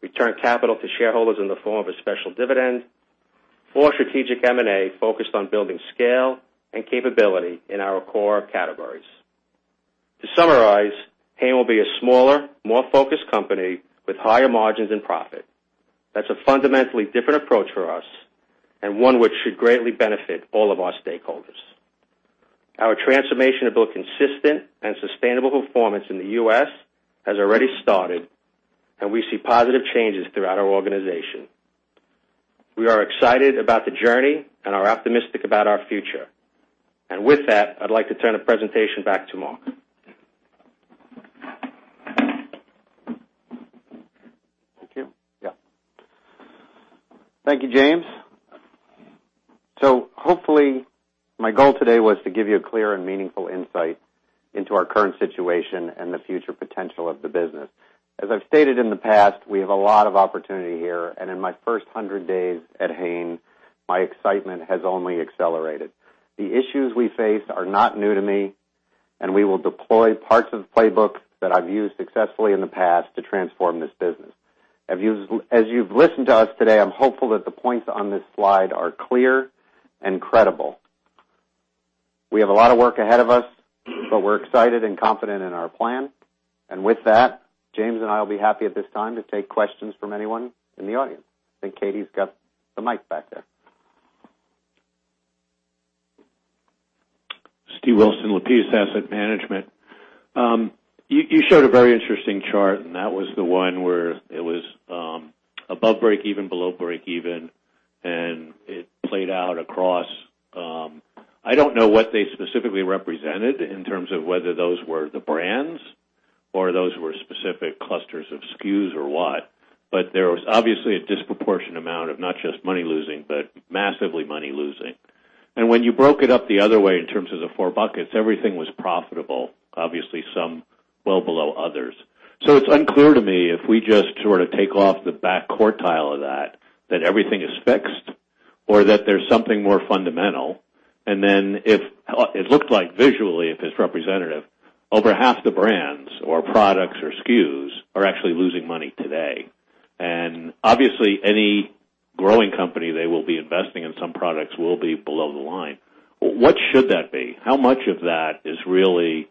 return capital to shareholders in the form of a special dividend, or strategic M&A focused on building scale and capability in our core categories. To summarize, Hain will be a smaller, more focused company with higher margins and profit. That's a fundamentally different approach for us and one which should greatly benefit all of our stakeholders. Our transformation to build consistent and sustainable performance in the U.S. has already started, we see positive changes throughout our organization. We are excited about the journey and are optimistic about our future. With that, I'd like to turn the presentation back to Mark. Thank you, James. Hopefully, my goal today was to give you a clear and meaningful insight into our current situation and the future potential of the business. As I've stated in the past, we have a lot of opportunity here, in my first 100 days at Hain, my excitement has only accelerated. The issues we face are not new to me, we will deploy parts of the playbook that I've used successfully in the past to transform this business. As you've listened to us today, I'm hopeful that the points on this slide are clear and credible. We have a lot of work ahead of us, we're excited and confident in our plan. With that, James and I will be happy at this time to take questions from anyone in the audience. I think Katie's got the mic back there. Steve Wilson, Lapides Asset Management. You showed a very interesting chart. That was the one where it was above breakeven, below breakeven, it played out across I don't know what they specifically represented in terms of whether those were the brands or those were specific clusters of SKUs or what. There was obviously a disproportionate amount of not just money losing, but massively money losing. When you broke it up the other way, in terms of the four buckets, everything was profitable, obviously some well below others. It's unclear to me if we just sort of take off the back quartile of that everything is fixed or that there's something more fundamental. It looked like visually, if it's representative, over half the brands or products or SKUs are actually losing money today. Obviously any growing company, they will be investing in some products will be below the line. What should that be? How much of that is really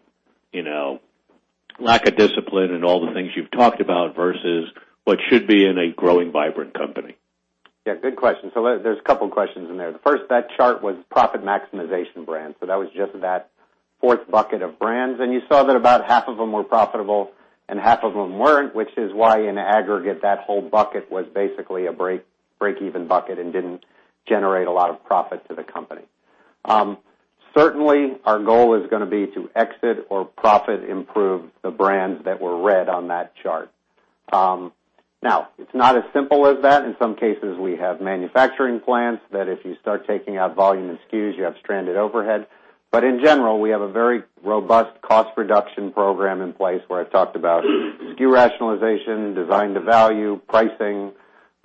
lack of discipline and all the things you've talked about versus what should be in a growing, vibrant company? Yeah, good question. There's a couple of questions in there. The first, that chart was profit maximization brands. That was just that 4th bucket of brands. You saw that about half of them were profitable and half of them weren't, which is why in aggregate, that whole bucket was basically a breakeven bucket and didn't generate a lot of profit to the company. Certainly, our goal is going to be to exit or profit improve the brands that were red on that chart. It's not as simple as that. In some cases, we have manufacturing plants that if you start taking out volume and SKUs, you have stranded overhead. In general, we have a very robust cost reduction program in place where I talked about SKU rationalization, design to value, pricing,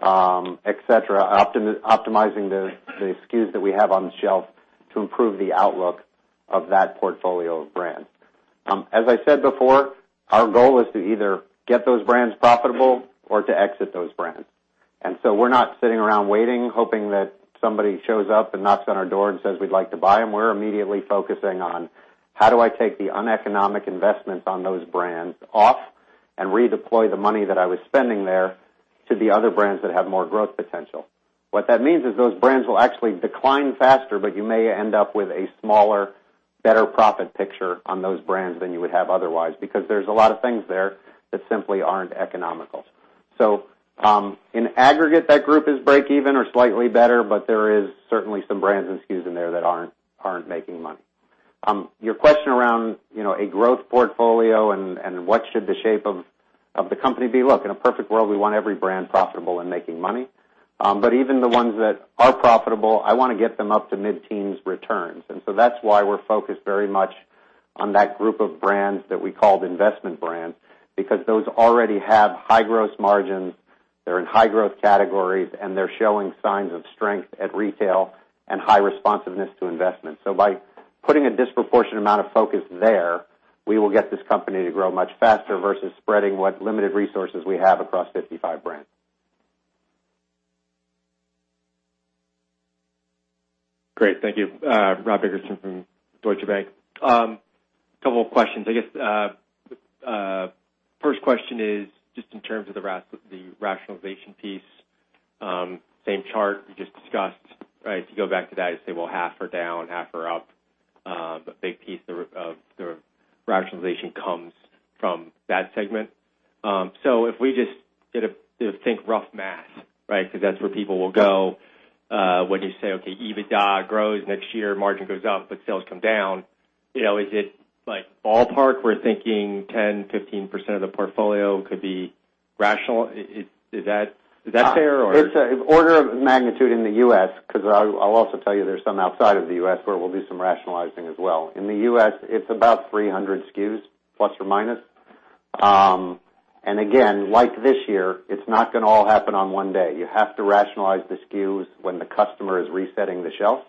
et cetera, optimizing the SKUs that we have on the shelf to improve the outlook of that portfolio of brands. As I said before, our goal is to either get those brands profitable or to exit those brands. We're not sitting around waiting, hoping that somebody shows up and knocks on our door and says, "We'd like to buy them." We're immediately focusing on how do I take the uneconomic investments on those brands off and redeploy the money that I was spending there to the other brands that have more growth potential. What that means is those brands will actually decline faster, but you may end up with a smaller, better profit picture on those brands than you would have otherwise, because there's a lot of things there that simply aren't economical. In aggregate, that group is breakeven or slightly better, but there is certainly some brands and SKUs in there that aren't making money. Your question around a growth portfolio and what should the shape of the company be. Look, in a perfect world, we want every brand profitable and making money. Even the ones that are profitable, I want to get them up to mid-teens returns. That's why we're focused very much on that group of brands that we called investment brands, because those already have high gross margins, they're in high growth categories, and they're showing signs of strength at retail and high responsiveness to investment. By putting a disproportionate amount of focus there, we will get this company to grow much faster versus spreading what limited resources we have across 55 brands. Great. Thank you. Rob Dickerson from Deutsche Bank. Couple of questions. I guess, first question is just in terms of the rationalization piece. Same chart we just discussed. To go back to that and say, well, half are down, half are up. A big piece of the rationalization comes from that segment. If we just think rough math, because that's where people will go when you say, okay, EBITDA grows next year, margin goes up, but sales come down. Is it like ballpark, we're thinking 10%-15% of the portfolio could be rational? Is that fair or It's an order of magnitude in the U.S., because I'll also tell you there's some outside of the U.S. where we'll do some rationalizing as well. In the U.S., it's about 300 SKUs, plus or minus. Again, like this year, it's not going to all happen on one day. You have to rationalize the SKUs when the customer is resetting the shelf,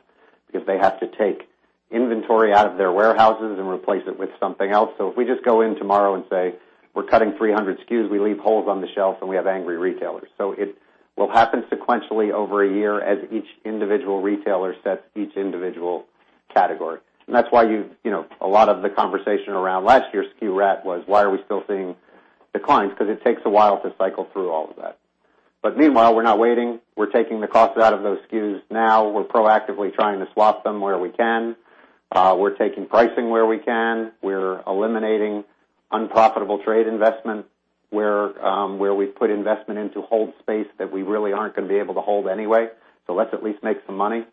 because they have to take inventory out of their warehouses and replace it with something else. If we just go in tomorrow and say, "We're cutting 300 SKUs," we leave holes on the shelf and we have angry retailers. It will happen sequentially over a year as each individual retailer sets each individual category. That's why a lot of the conversation around last year's SKU rat was, why are we still seeing declines? Because it takes a while to cycle through all of that. Meanwhile, we're not waiting. We're taking the costs out of those SKUs now. We're proactively trying to swap them where we can. We're taking pricing where we can. We're eliminating unprofitable trade investment, where we've put investment into hold space that we really aren't going to be able to hold anyway. Let's at least make some money.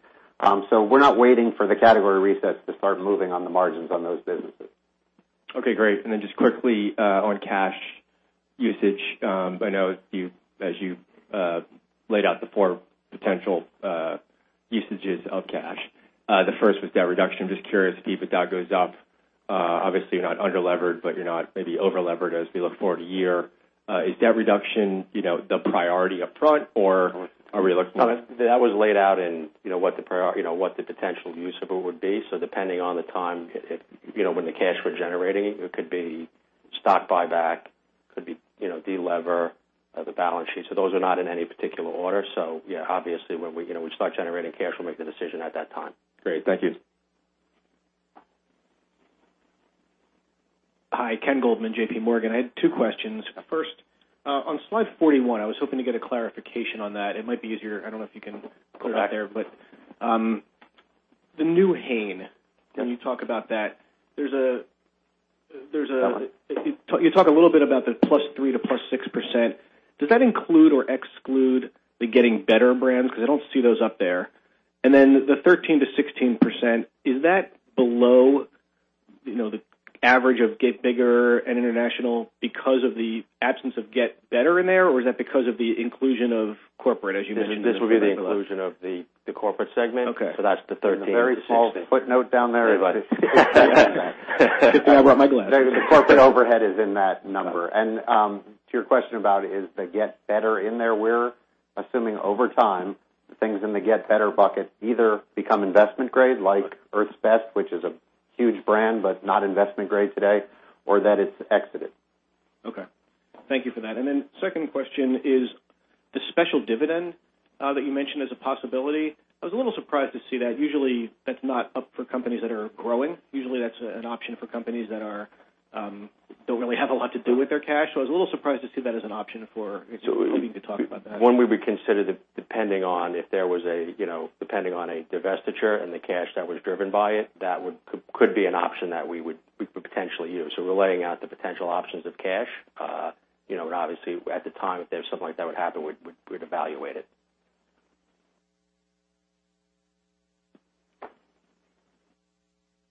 We're not waiting for the category resets to start moving on the margins on those businesses. Okay, great. Then just quickly, on cash usage, I know as you laid out the four potential usages of cash, the first was debt reduction. Just curious, if EBITDA goes up, obviously you're not under-levered, but you're not maybe over-levered as we look forward a year. Is debt reduction the priority up front or are we looking? No. That was laid out in what the potential use of it would be. Depending on the time, when the cash we're generating, it could be stock buyback, could be de-lever the balance sheet. Those are not in any particular order. Yeah, obviously, when we start generating cash, we'll make the decision at that time. Great, thank you. Hi. Ken Goldman, JPMorgan. I had two questions. First, on slide 41, I was hoping to get a clarification on that. It might be easier, I don't know if you can go back there, but the new Hain, when you talk about that. Yeah. You talk a little bit about the +3% to +6%. Does that include or exclude the Get Better brands? Because I don't see those up there. The 13%-16%, is that below the average of Get Bigger and International because of the absence of Get Better in there, or is that because of the inclusion of corporate, as you mentioned? This will be the inclusion of the corporate segment. Okay. That's the 13%-16%. In the very small footnote down there. Right. Good thing I brought my glasses. The corporate overhead is in that number. To your question about is the Get Better in there, we're assuming over time, things in the Get Better bucket either become investment grade, like Earth's Best, which is a huge brand, but not investment grade today, or that it's exited. Okay. Thank you for that. Second question is the special dividend that you mentioned as a possibility. I was a little surprised to see that. Usually, that's not up for companies that are growing. Usually, that's an option for companies that don't really have a lot to do with their cash. I was a little surprised to see that as an option including to talk about that. One we would consider depending on a divestiture and the cash that was driven by it, that could be an option that we would potentially use. We're laying out the potential options of cash. Obviously, at the time, if there's something like that would happen, we'd evaluate it.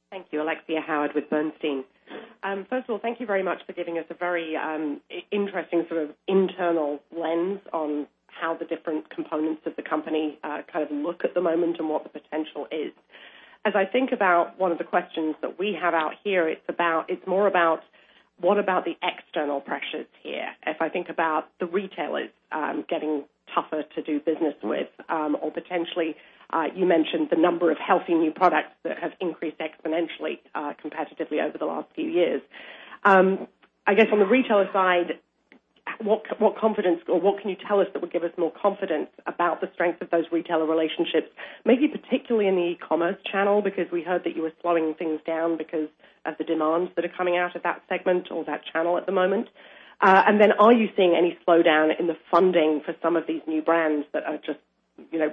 Thank you. Alexia Howard with Bernstein. First of all, thank you very much for giving us a very interesting sort of internal lens on how the different components of the company kind of look at the moment and what the potential is. As I think about one of the questions that we have out here, it's more about, what about the external pressures here? If I think about the retailers getting tougher to do business with, or potentially, you mentioned the number of healthy new products that have increased exponentially, competitively over the last few years. I guess on the retailer side, what confidence or what can you tell us that would give us more confidence about the strength of those retailer relationships? Maybe particularly in the e-commerce channel, because we heard that you were slowing things down because of the demands that are coming out of that segment or that channel at the moment. Are you seeing any slowdown in the funding for some of these new brands that are just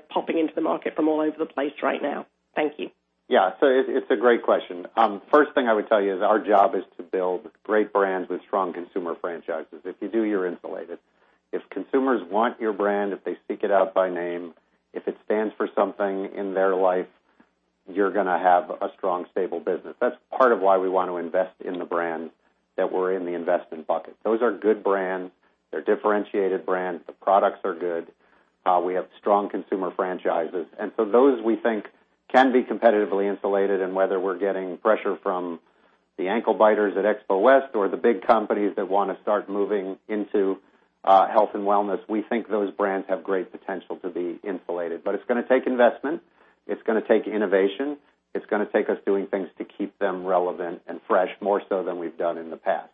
popping into the market from all over the place right now? Thank you. Yeah. It's a great question. First thing I would tell you is our job is to build great brands with strong consumer franchises. If you do, you're insulated. If consumers want your brand, if they seek it out by name, if it stands for something in their life, you're gonna have a strong, stable business. That's part of why we want to invest in the brands that were in the investment bucket. Those are good brands. They're differentiated brands. The products are good. We have strong consumer franchises. Those we think can be competitively insulated and whether we're getting pressure from the ankle biters at Expo West or the big companies that want to start moving into health and wellness, we think those brands have great potential to be insulated. It's gonna take investment. It's gonna take innovation. It's gonna take us doing things to keep them relevant and fresh, more so than we've done in the past.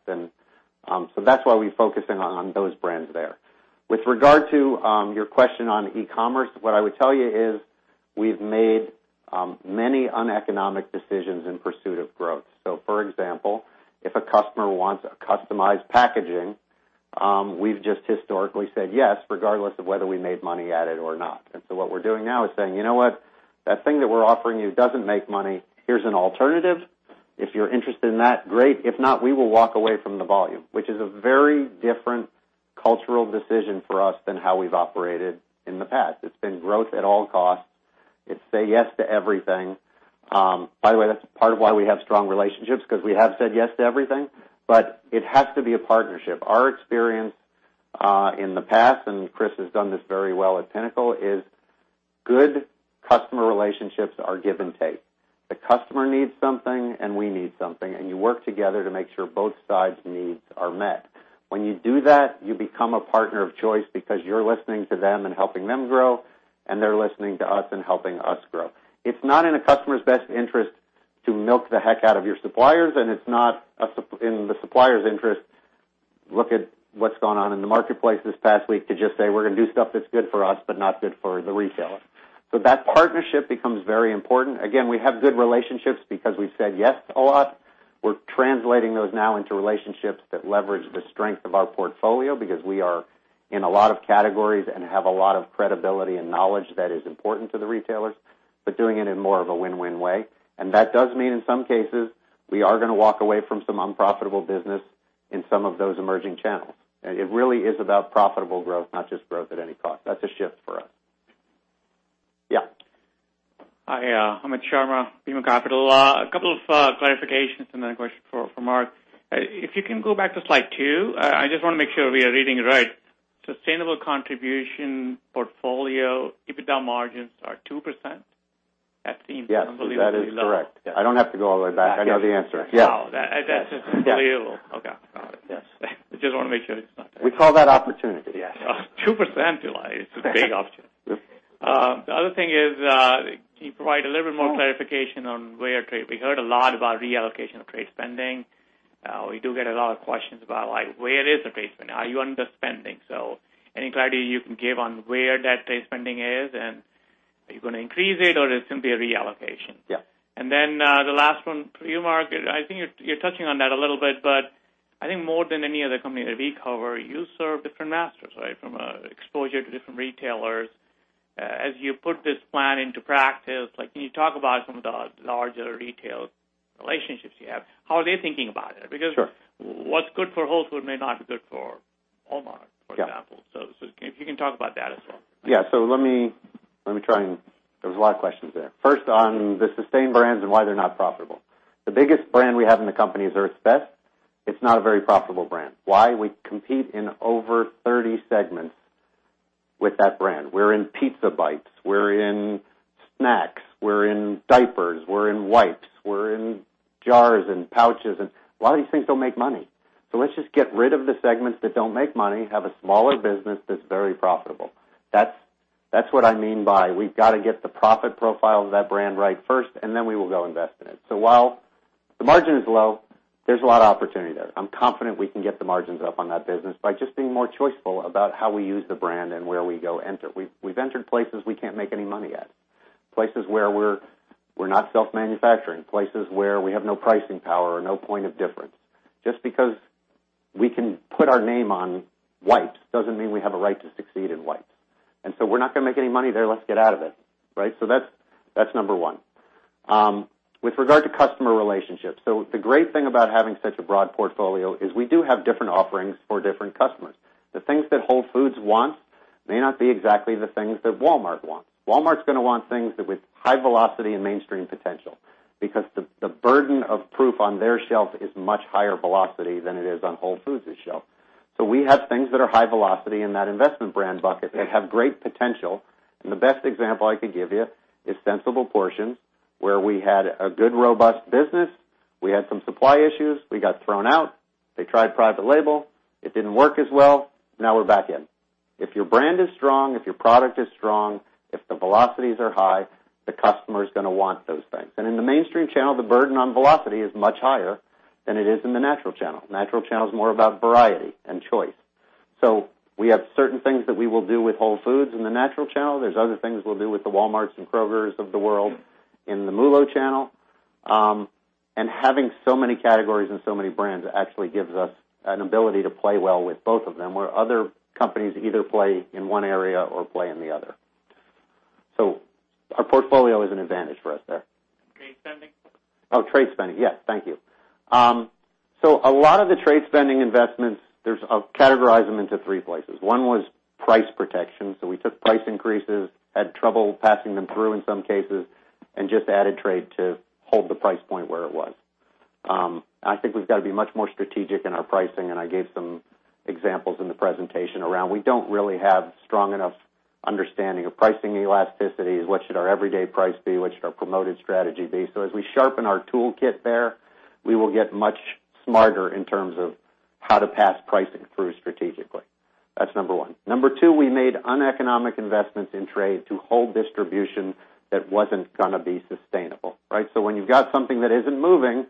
That's why we focus in on those brands there. With regard to your question on e-commerce, what I would tell you is we've made many uneconomic decisions in pursuit of growth. For example, if a customer wants customized packaging, we've just historically said yes, regardless of whether we made money at it or not. What we're doing now is saying, "You know what? That thing that we're offering you doesn't make money. Here's an alternative. If you're interested in that, great. If not, we will walk away from the volume." Which is a very different cultural decision for us than how we've operated in the past. It's been growth at all costs. It's say yes to everything. By the way, that's part of why we have strong relationships, because we have said yes to everything, but it has to be a partnership. Our experience in the past, Chris has done this very well at Pinnacle Foods, is good customer relationships are give and take. The customer needs something and we need something, you work together to make sure both sides' needs are met. When you do that, you become a partner of choice because you're listening to them and helping them grow, and they're listening to us and helping us grow. It's not in a customer's best interest to milk the heck out of your suppliers, it's not in the supplier's interest, look at what's gone on in the marketplace this past week to just say, "We're going to do stuff that's good for us, but not good for the retailer." That partnership becomes very important. Again, we have good relationships because we've said yes a lot. We're translating those now into relationships that leverage the strength of our portfolio because we are in a lot of categories and have a lot of credibility and knowledge that is important to the retailers, but doing it in more of a win-win way. That does mean, in some cases, we are going to walk away from some unprofitable business in some of those emerging channels. It really is about profitable growth, not just growth at any cost. That's a shift for us. Yeah. Hi, Amit Sharma, BMO Capital. A couple of clarifications and then a question for Mark. If you can go back to slide two, I just want to make sure we are reading it right. Sustainable contribution portfolio EBITDA margins are 2%? That seems? Yes. Unbelievably low. That is correct. I don't have to go all the way back. I know the answer. Yeah. No, that's just unbelievable. Okay. Got it. Yes. I just want to make sure it's not there. We call that opportunity. Yes. 2%, you lie. It's a big opportunity. The other thing is, can you provide a little bit more clarification on where trade. We heard a lot about reallocation of trade spending. We do get a lot of questions about where is the trade spending? Are you underspending? Any clarity you can give on where that trade spending is, and are you going to increase it or is it simply a reallocation? Yeah. The last one for you, Mark, I think you're touching on that a little bit, but I think more than any other company that we cover, you serve different masters, right? From exposure to different retailers. As you put this plan into practice, can you talk about some of the larger retail relationships you have? How are they thinking about it? Sure. What's good for Whole Foods may not be good for Walmart, for example. Yeah. If you can talk about that as well. Yeah. Let me try and There was a lot of questions there. First, on the sustain brands and why they're not profitable. The biggest brand we have in the company is Earth's Best. It's not a very profitable brand. Why? We compete in over 30 segments with that brand. We're in pizza bites, we're in snacks, we're in diapers, we're in wipes, we're in jars and pouches, and a lot of these things don't make money. Let's just get rid of the segments that don't make money, have a smaller business that's very profitable. That's what I mean by we've got to get the profit profile of that brand right first, and then we will go invest in it. While the margin is low, there's a lot of opportunity there. I'm confident we can get the margins up on that business by just being more choiceful about how we use the brand and where we go enter. We've entered places we can't make any money at. Places where we're not self-manufacturing, places where we have no pricing power or no point of difference. Just because we can put our name on wipes doesn't mean we have a right to succeed in wipes. We're not going to make any money there, let's get out of it. That's number one. With regard to customer relationships, the great thing about having such a broad portfolio is we do have different offerings for different customers. The things that Whole Foods want may not be exactly the things that Walmart want. Walmart's going to want things with high velocity and mainstream potential, because the burden of proof on their shelf is much higher velocity than it is on Whole Foods' shelf. We have things that are high velocity in that investment brand bucket that have great potential, and the best example I could give you is Sensible Portions, where we had a good, robust business. We had some supply issues. We got thrown out. They tried private label. It didn't work as well. Now we're back in. If your brand is strong, if your product is strong, if the velocities are high, the customer's gonna want those things. In the mainstream channel, the burden on velocity is much higher than it is in the natural channel. Natural channel is more about variety and choice. We have certain things that we will do with Whole Foods in the Natural channel. There's other things we'll do with the Walmarts and Krogers of the world in the MULO channel. Having so many categories and so many brands actually gives us an ability to play well with both of them, where other companies either play in one area or play in the other. Our portfolio is an advantage for us there. Trade spending? Oh, trade spending. Yes, thank you. A lot of the trade spending investments, I'll categorize them into three places. One was price protection. We took price increases, had trouble passing them through in some cases, and just added trade to hold the price point where it was. I think we've got to be much more strategic in our pricing, and I gave some examples in the presentation around. We don't really have strong enough understanding of pricing elasticities, what should our everyday price be, what should our promoted strategy be. As we sharpen our toolkit there, we will get much smarter in terms of how to pass pricing through strategically. That's number one. Number two, we made uneconomic investments in trade to hold distribution that wasn't going to be sustainable. When you've got something that isn't moving,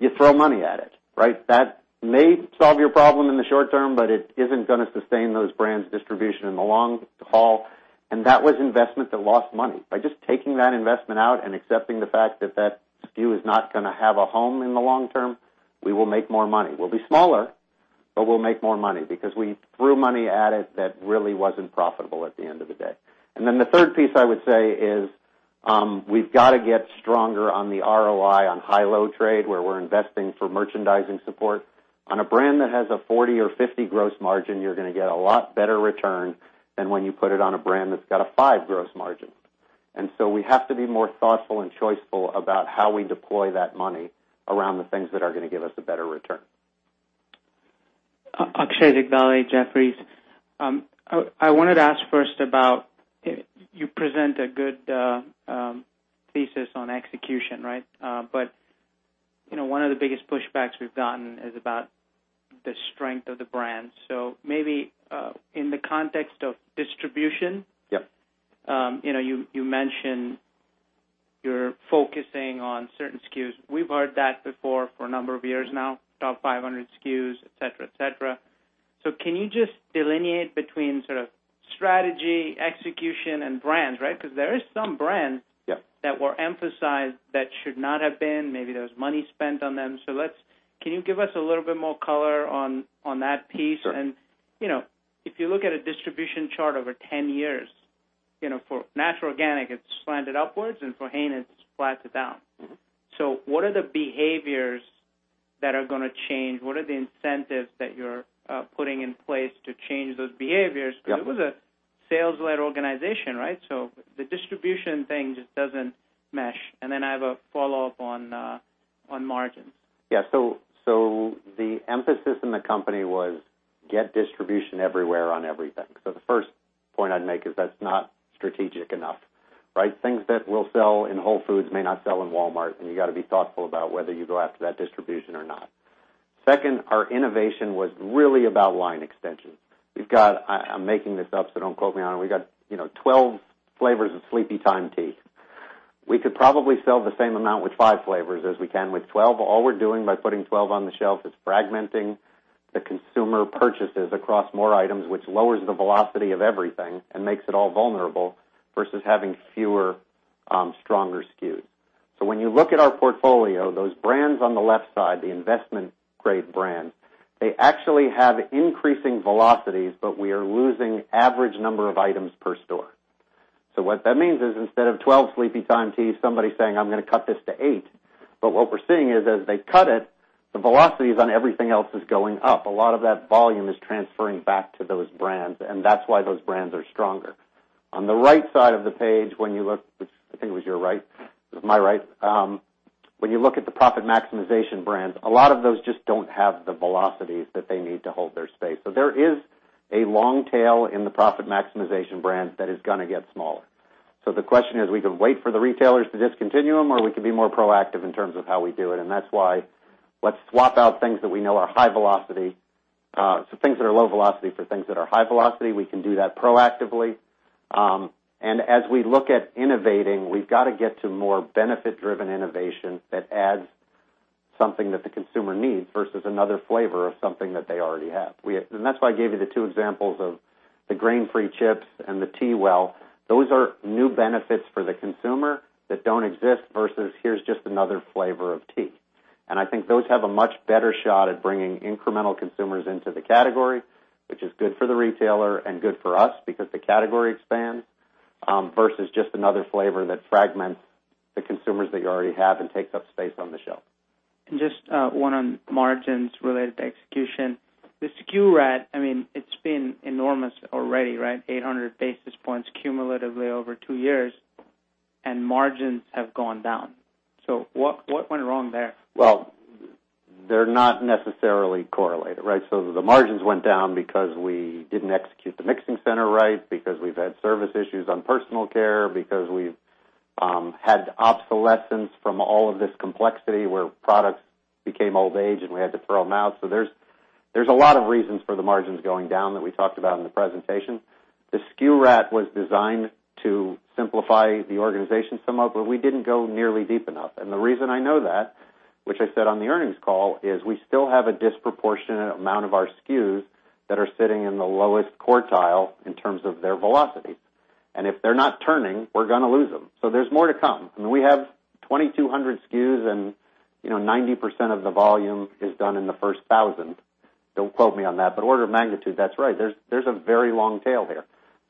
you throw money at it. That may solve your problem in the short term, it isn't going to sustain those brands' distribution in the long haul, that was investment that lost money. By just taking that investment out and accepting the fact that that SKU is not going to have a home in the long term, we will make more money. We'll be smaller, we'll make more money because we threw money at it that really wasn't profitable at the end of the day. The third piece I would say is, we've got to get stronger on the ROI on high-low trade, where we're investing for merchandising support. On a brand that has a 40% or 50% gross margin, you're going to get a lot better return than when you put it on a brand that's got a 5% gross margin. We have to be more thoughtful and choiceful about how we deploy that money around the things that are going to give us a better return. Akshay Jagdale, Jefferies. I wanted to ask first about, you present a good thesis on execution. One of the biggest pushbacks we've gotten is about the strength of the brand. Maybe, in the context of distribution. Yep. You mentioned you're focusing on certain SKUs. We've heard that before for a number of years now, top 500 SKUs, et cetera. Can you just delineate between sort of strategy, execution, and brands? Because there is some brands. Yes. That were emphasized that should not have been, maybe there was money spent on them. Can you give us a little bit more color on that piece? Sure. If you look at a distribution chart over 10 years, for natural organic, it's slanted upwards and for Hain, it's slanted down. What are the behaviors that are going to change? What are the incentives that you're putting in place to change those behaviors? Yeah. It was a sales-led organization, right? The distribution thing just doesn't mesh. I have a follow-up on margins. Yeah. The emphasis in the company was get distribution everywhere on everything. The first point I'd make is that's not strategic enough, right. Things that will sell in Whole Foods Market may not sell in Walmart, and you got to be thoughtful about whether you go after that distribution or not. Second, our innovation was really about line extension. I'm making this up, so don't quote me on it, we got 12 flavors of Sleepytime tea. We could probably sell the same amount with five flavors as we can with 12. All we're doing by putting 12 on the shelf is fragmenting the consumer purchases across more items, which lowers the velocity of everything and makes it all vulnerable versus having fewer, stronger SKUs. When you look at our portfolio, those brands on the left side, the investment-grade brands, they actually have increasing velocities, but we are losing average number of items per store. What that means is instead of 12 Sleepytime teas, somebody's saying, "I'm going to cut this to eight." What we're seeing is as they cut it, the velocities on everything else is going up. A lot of that volume is transferring back to those brands, and that's why those brands are stronger. On the right side of the page, when you look, which I think was your right, it was my right. When you look at the profit maximization brands, a lot of those just don't have the velocities that they need to hold their space. There is a long tail in the profit maximization brands that is going to get smaller. The question is, we could wait for the retailers to discontinue them, or we could be more proactive in terms of how we do it. That's why let's swap out things that we know are high velocity, things that are low velocity for things that are high velocity. We can do that proactively. As we look at innovating, we've got to get to more benefit-driven innovation that adds something that the consumer needs versus another flavor of something that they already have. That's why I gave you the two examples of the grain-free chips and the TeaWell. Those are new benefits for the consumer that don't exist versus here's just another flavor of tea. I think those have a much better shot at bringing incremental consumers into the category, which is good for the retailer and good for us because the category expands, versus just another flavor that fragments the consumers that you already have and takes up space on the shelf. Just one on margins related to execution. The SKU rat, it's been enormous already, right? 800 basis points cumulatively over two years, and margins have gone down. What went wrong there? Well, they're not necessarily correlated, right. The margins went down because we didn't execute the mixing center right, because we've had service issues on personal care, because we've had obsolescence from all of this complexity where products became old age and we had to throw them out. There's a lot of reasons for the margins going down that we talked about in the presentation. The SKU rat was designed to simplify the organization some, but we didn't go nearly deep enough. The reason I know that, which I said on the earnings call, is we still have a disproportionate amount of our SKUs that are sitting in the lowest quartile in terms of their velocity. If they're not turning, we're going to lose them. There's more to come. We have 2,200 SKUs, and 90% of the volume is done in the first 1,000. Don't quote me on that, but order of magnitude, that's right. There's a very long tail here.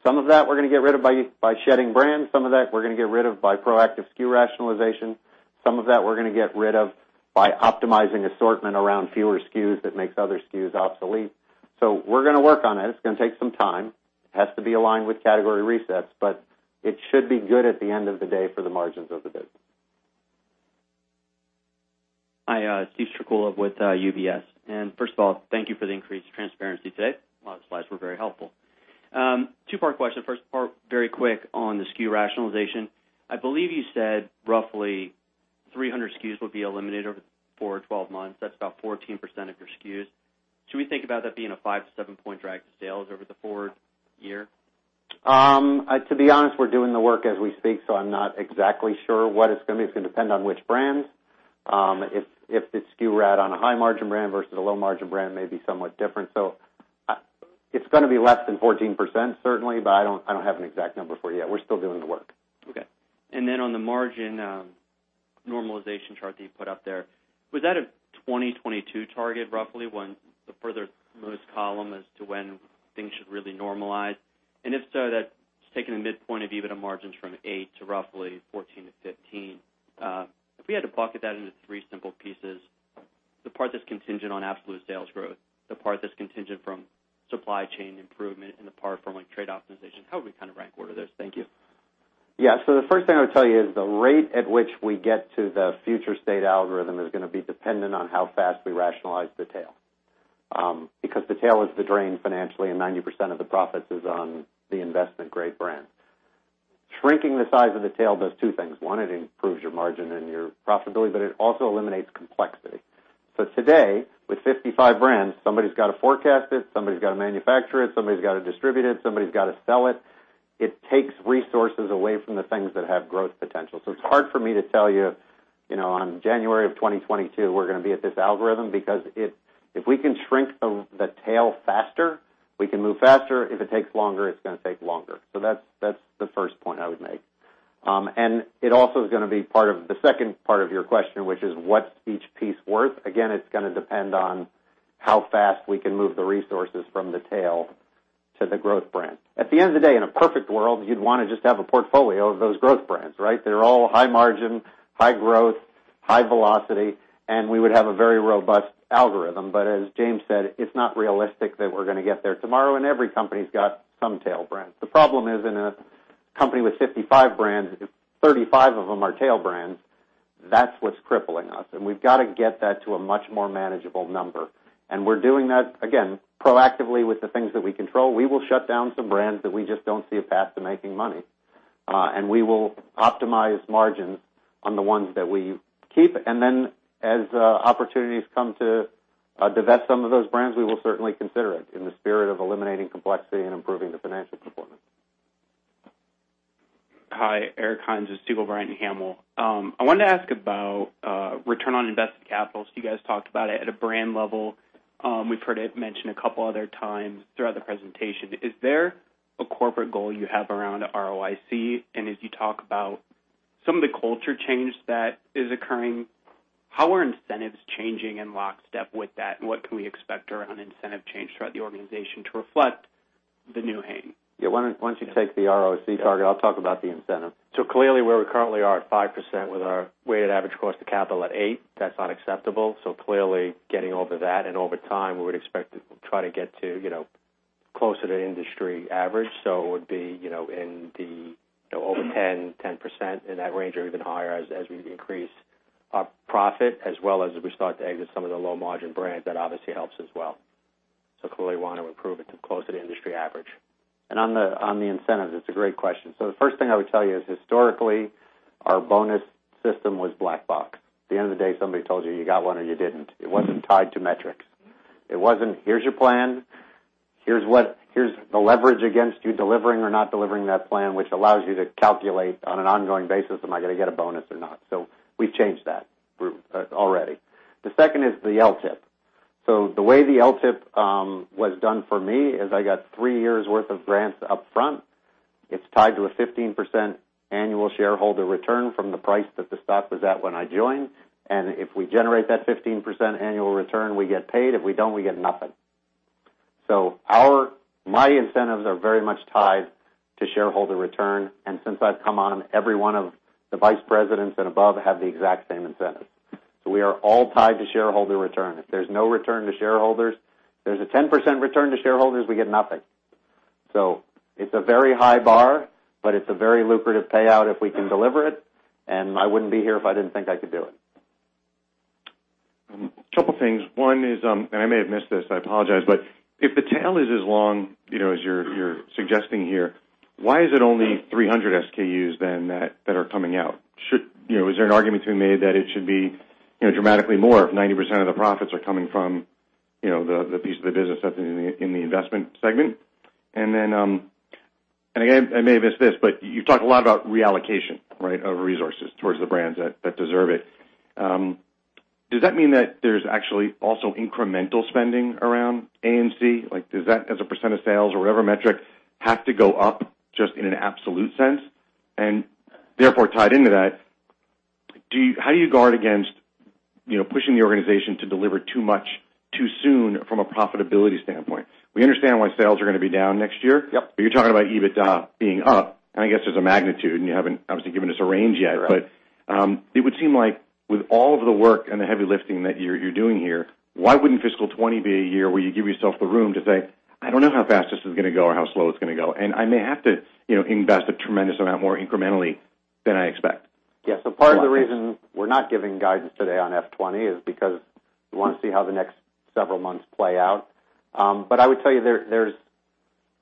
Some of that we're going to get rid of by shedding brands. Some of that we're going to get rid of by proactive SKU rationalization. Some of that we're going to get rid of by optimizing assortment around fewer SKUs that makes other SKUs obsolete. We're going to work on it. It's going to take some time, has to be aligned with category resets, but it should be good at the end of the day for the margins of the business. Hi, Steve Strycula with UBS. First of all, thank you for the increased transparency today. A lot of slides were very helpful. Two-part question. First part, very quick on the SKU rationalization. I believe you said roughly 300 SKUs will be eliminated over four 12 months. That's about 14% of your SKUs. Should we think about that being a five to seven point drag to sales over the forward year? To be honest, we're doing the work as we speak, so I'm not exactly sure what it's going to be. It's going to depend on which brands. If the SKU rat on a high margin brand versus a low margin brand may be somewhat different. It's going to be less than 14%, certainly, but I don't have an exact number for you yet. We're still doing the work. Okay. Then on the margin normalization chart that you put up there, was that a 2022 target, roughly, when the furthermost column as to when things should really normalize? If so, that's taking the midpoint of EBITDA margins from 8% to roughly 14%-15%. If we had to bucket that into three simple pieces, the part that's contingent on absolute sales growth, the part that's contingent from supply chain improvement, and the part from trade optimization, how would we rank order those? Thank you. Yeah. The first thing I would tell you is the rate at which we get to the future state algorithm is going to be dependent on how fast we rationalize the tail. Because the tail is the drain financially and 90% of the profits is on the investment-grade brand. Shrinking the size of the tail does two things. One, it improves your margin and your profitability, but it also eliminates complexity. Today, with 55 brands, somebody's got to forecast it, somebody's got to manufacture it, somebody's got to distribute it, somebody's got to sell it. It takes resources away from the things that have growth potential. It's hard for me to tell you on January of 2022, we're going to be at this algorithm because if we can shrink the tail faster, we can move faster. If it takes longer, it's going to take longer. That's the first point I would make. It also is going to be part of the second part of your question, which is what's each piece worth? Again, it's going to depend on how fast we can move the resources from the tail to the growth brand. At the end of the day, in a perfect world, you'd want to just have a portfolio of those growth brands, right. They're all high margin, high growth, high velocity, and we would have a very robust algorithm. As James said, it's not realistic that we're going to get there tomorrow, and every company's got some tail brands. The problem is in a company with 55 brands, if 35 of them are tail brands, that's what's crippling us. We've got to get that to a much more manageable number. We're doing that, again, proactively with the things that we control. We will shut down some brands that we just don't see a path to making money. We will optimize margins on the ones that we keep. Then as opportunities come to divest some of those brands, we will certainly consider it in the spirit of eliminating complexity and improving the financial performance. Hi, Eric Hines with Segall Bryant & Hamill. I wanted to ask about return on invested capital. You guys talked about it at a brand level. We've heard it mentioned a couple other times throughout the presentation. Is there a corporate goal you have around ROIC? As you talk about some of the culture change that is occurring, how are incentives changing in lockstep with that? What can we expect around incentive change throughout the organization to reflect the new Hain? Why don't you take the ROC target? I'll talk about the incentive. Clearly, where we currently are at 5% with our weighted average cost of capital at 8%, that's not acceptable. Clearly, getting over that, over time, we would expect to try to get to closer to industry average. It would be over 10% in that range or even higher as we increase our profit, as well as we start to exit some of the low-margin brands, that obviously helps as well. Clearly want to improve it to closer to industry average. On the incentives, it's a great question. The first thing I would tell you is historically, our bonus system was black box. At the end of the day, somebody told you got one or you didn't. It wasn't tied to metrics. It wasn't, here's your plan. Here's the leverage against you delivering or not delivering that plan, which allows you to calculate on an ongoing basis, am I going to get a bonus or not? We've changed that already. The second is the LTIP. The way the LTIP was done for me is I got three years' worth of grants up front. It's tied to a 15% annual shareholder return from the price that the stock was at when I joined. If we generate that 15% annual return, we get paid. If we don't, we get nothing. My incentives are very much tied to shareholder return. Since I've come on, every one of the vice presidents and above have the exact same incentive. We are all tied to shareholder return. If there's a 10% return to shareholders, we get nothing. It's a very high bar, but it's a very lucrative payout if we can deliver it. I wouldn't be here if I didn't think I could do it. A couple of things. One is, I may have missed this, I apologize, if the tail is as long as you're suggesting here, why is it only 300 SKUs then that are coming out? Is there an argument to be made that it should be dramatically more if 90% of the profits are coming from the piece of the business that's in the investment segment? Again, I may have missed this, you've talked a lot about reallocation of resources towards the brands that deserve it. Does that mean that there's actually also incremental spending around A&C? Does that, as a percent of sales or whatever metric, have to go up just in an absolute sense? Therefore tied into that, how do you guard against pushing the organization to deliver too much too soon from a profitability standpoint? We understand why sales are going to be down next year. Yep. You're talking about EBITDA being up, I guess there's a magnitude, you haven't obviously given us a range yet. Right. It would seem like with all of the work and the heavy lifting that you're doing here, why wouldn't fiscal 2020 be a year where you give yourself the room to say, "I don't know how fast this is going to go or how slow it's going to go, and I may have to invest a tremendous amount more incrementally than I expect"? Part of the reason we're not giving guidance today on FY 2020 is because we want to see how the next several months play out. I would tell you there's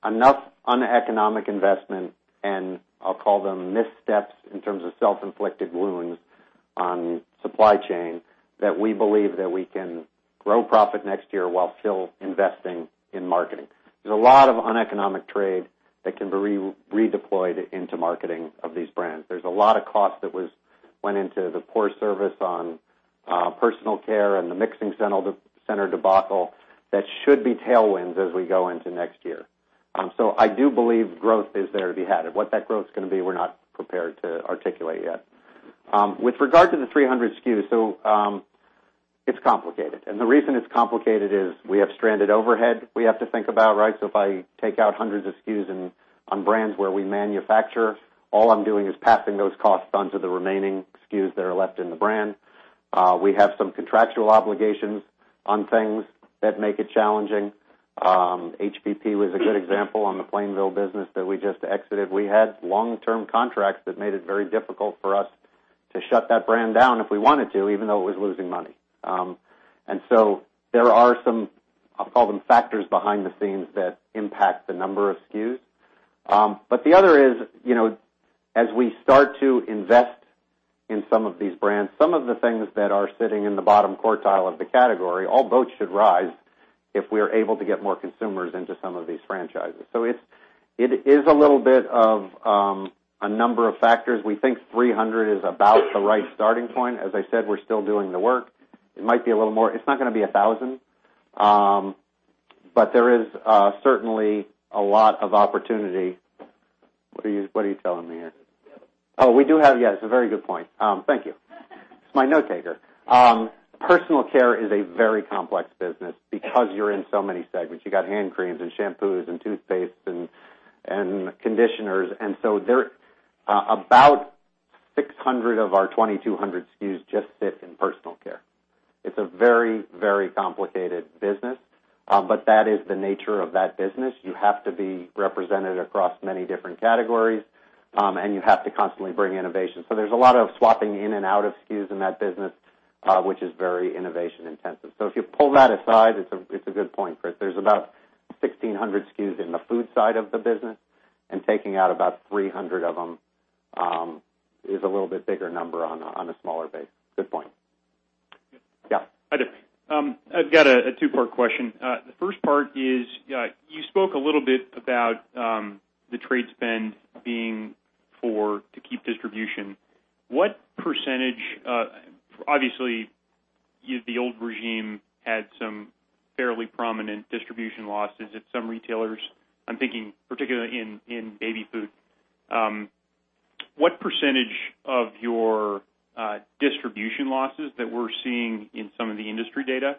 enough uneconomic investment, and I'll call them missteps in terms of self-inflicted wounds on supply chain, that we believe that we can grow profit next year while still investing in marketing. There's a lot of uneconomic trade that can be redeployed into marketing of these brands. There's a lot of cost that went into the poor service on personal care and the mixing center debacle that should be tailwinds as we go into next year. I do believe growth is there to be had. And what that growth is going to be, we're not prepared to articulate yet. With regard to the 300 SKUs, it's complicated. The reason it's complicated is we have stranded overhead we have to think about, right. If I take out hundreds of SKUs on brands where we manufacture, all I'm doing is passing those costs onto the remaining SKUs that are left in the brand. We have some contractual obligations on things that make it challenging. HPP was a good example on the Plainville business that we just exited. We had long-term contracts that made it very difficult for us to shut that brand down if we wanted to, even though it was losing money. There are some, I'll call them factors behind the scenes that impact the number of SKUs. The other is, as we start to invest in some of these brands, some of the things that are sitting in the bottom quartile of the category, all boats should rise if we are able to get more consumers into some of these franchises. It is a little bit of a number of factors. We think 300 is about the right starting point. As I said, we're still doing the work. It might be a little more. It's not going to be 1,000. There is certainly a lot of opportunity. What are you telling me here? Oh, we do have Yeah, it's a very good point. Thank you. That's my notetaker. Personal care is a very complex business because you're in so many segments. You got hand creams and shampoos and toothpastes and conditioners. About 600 of our 2,200 SKUs just sit in personal care. It's a very, very complicated business. That is the nature of that business. You have to be represented across many different categories, and you have to constantly bring innovation. There's a lot of swapping in and out of SKUs in that business, which is very innovation intensive. If you pull that aside, it's a good point. There's about 1,600 SKUs in the food side of the business, and taking out about 300 of them, is a little bit bigger number on a smaller base. Good point. Yeah. Hi, there. I've got a two-part question. The first part is, you spoke a little bit about the trade spend being to keep distribution. Obviously, the old regime had some fairly prominent distribution losses at some retailers. I'm thinking particularly in baby food. What percentage of your distribution losses that we're seeing in some of the industry data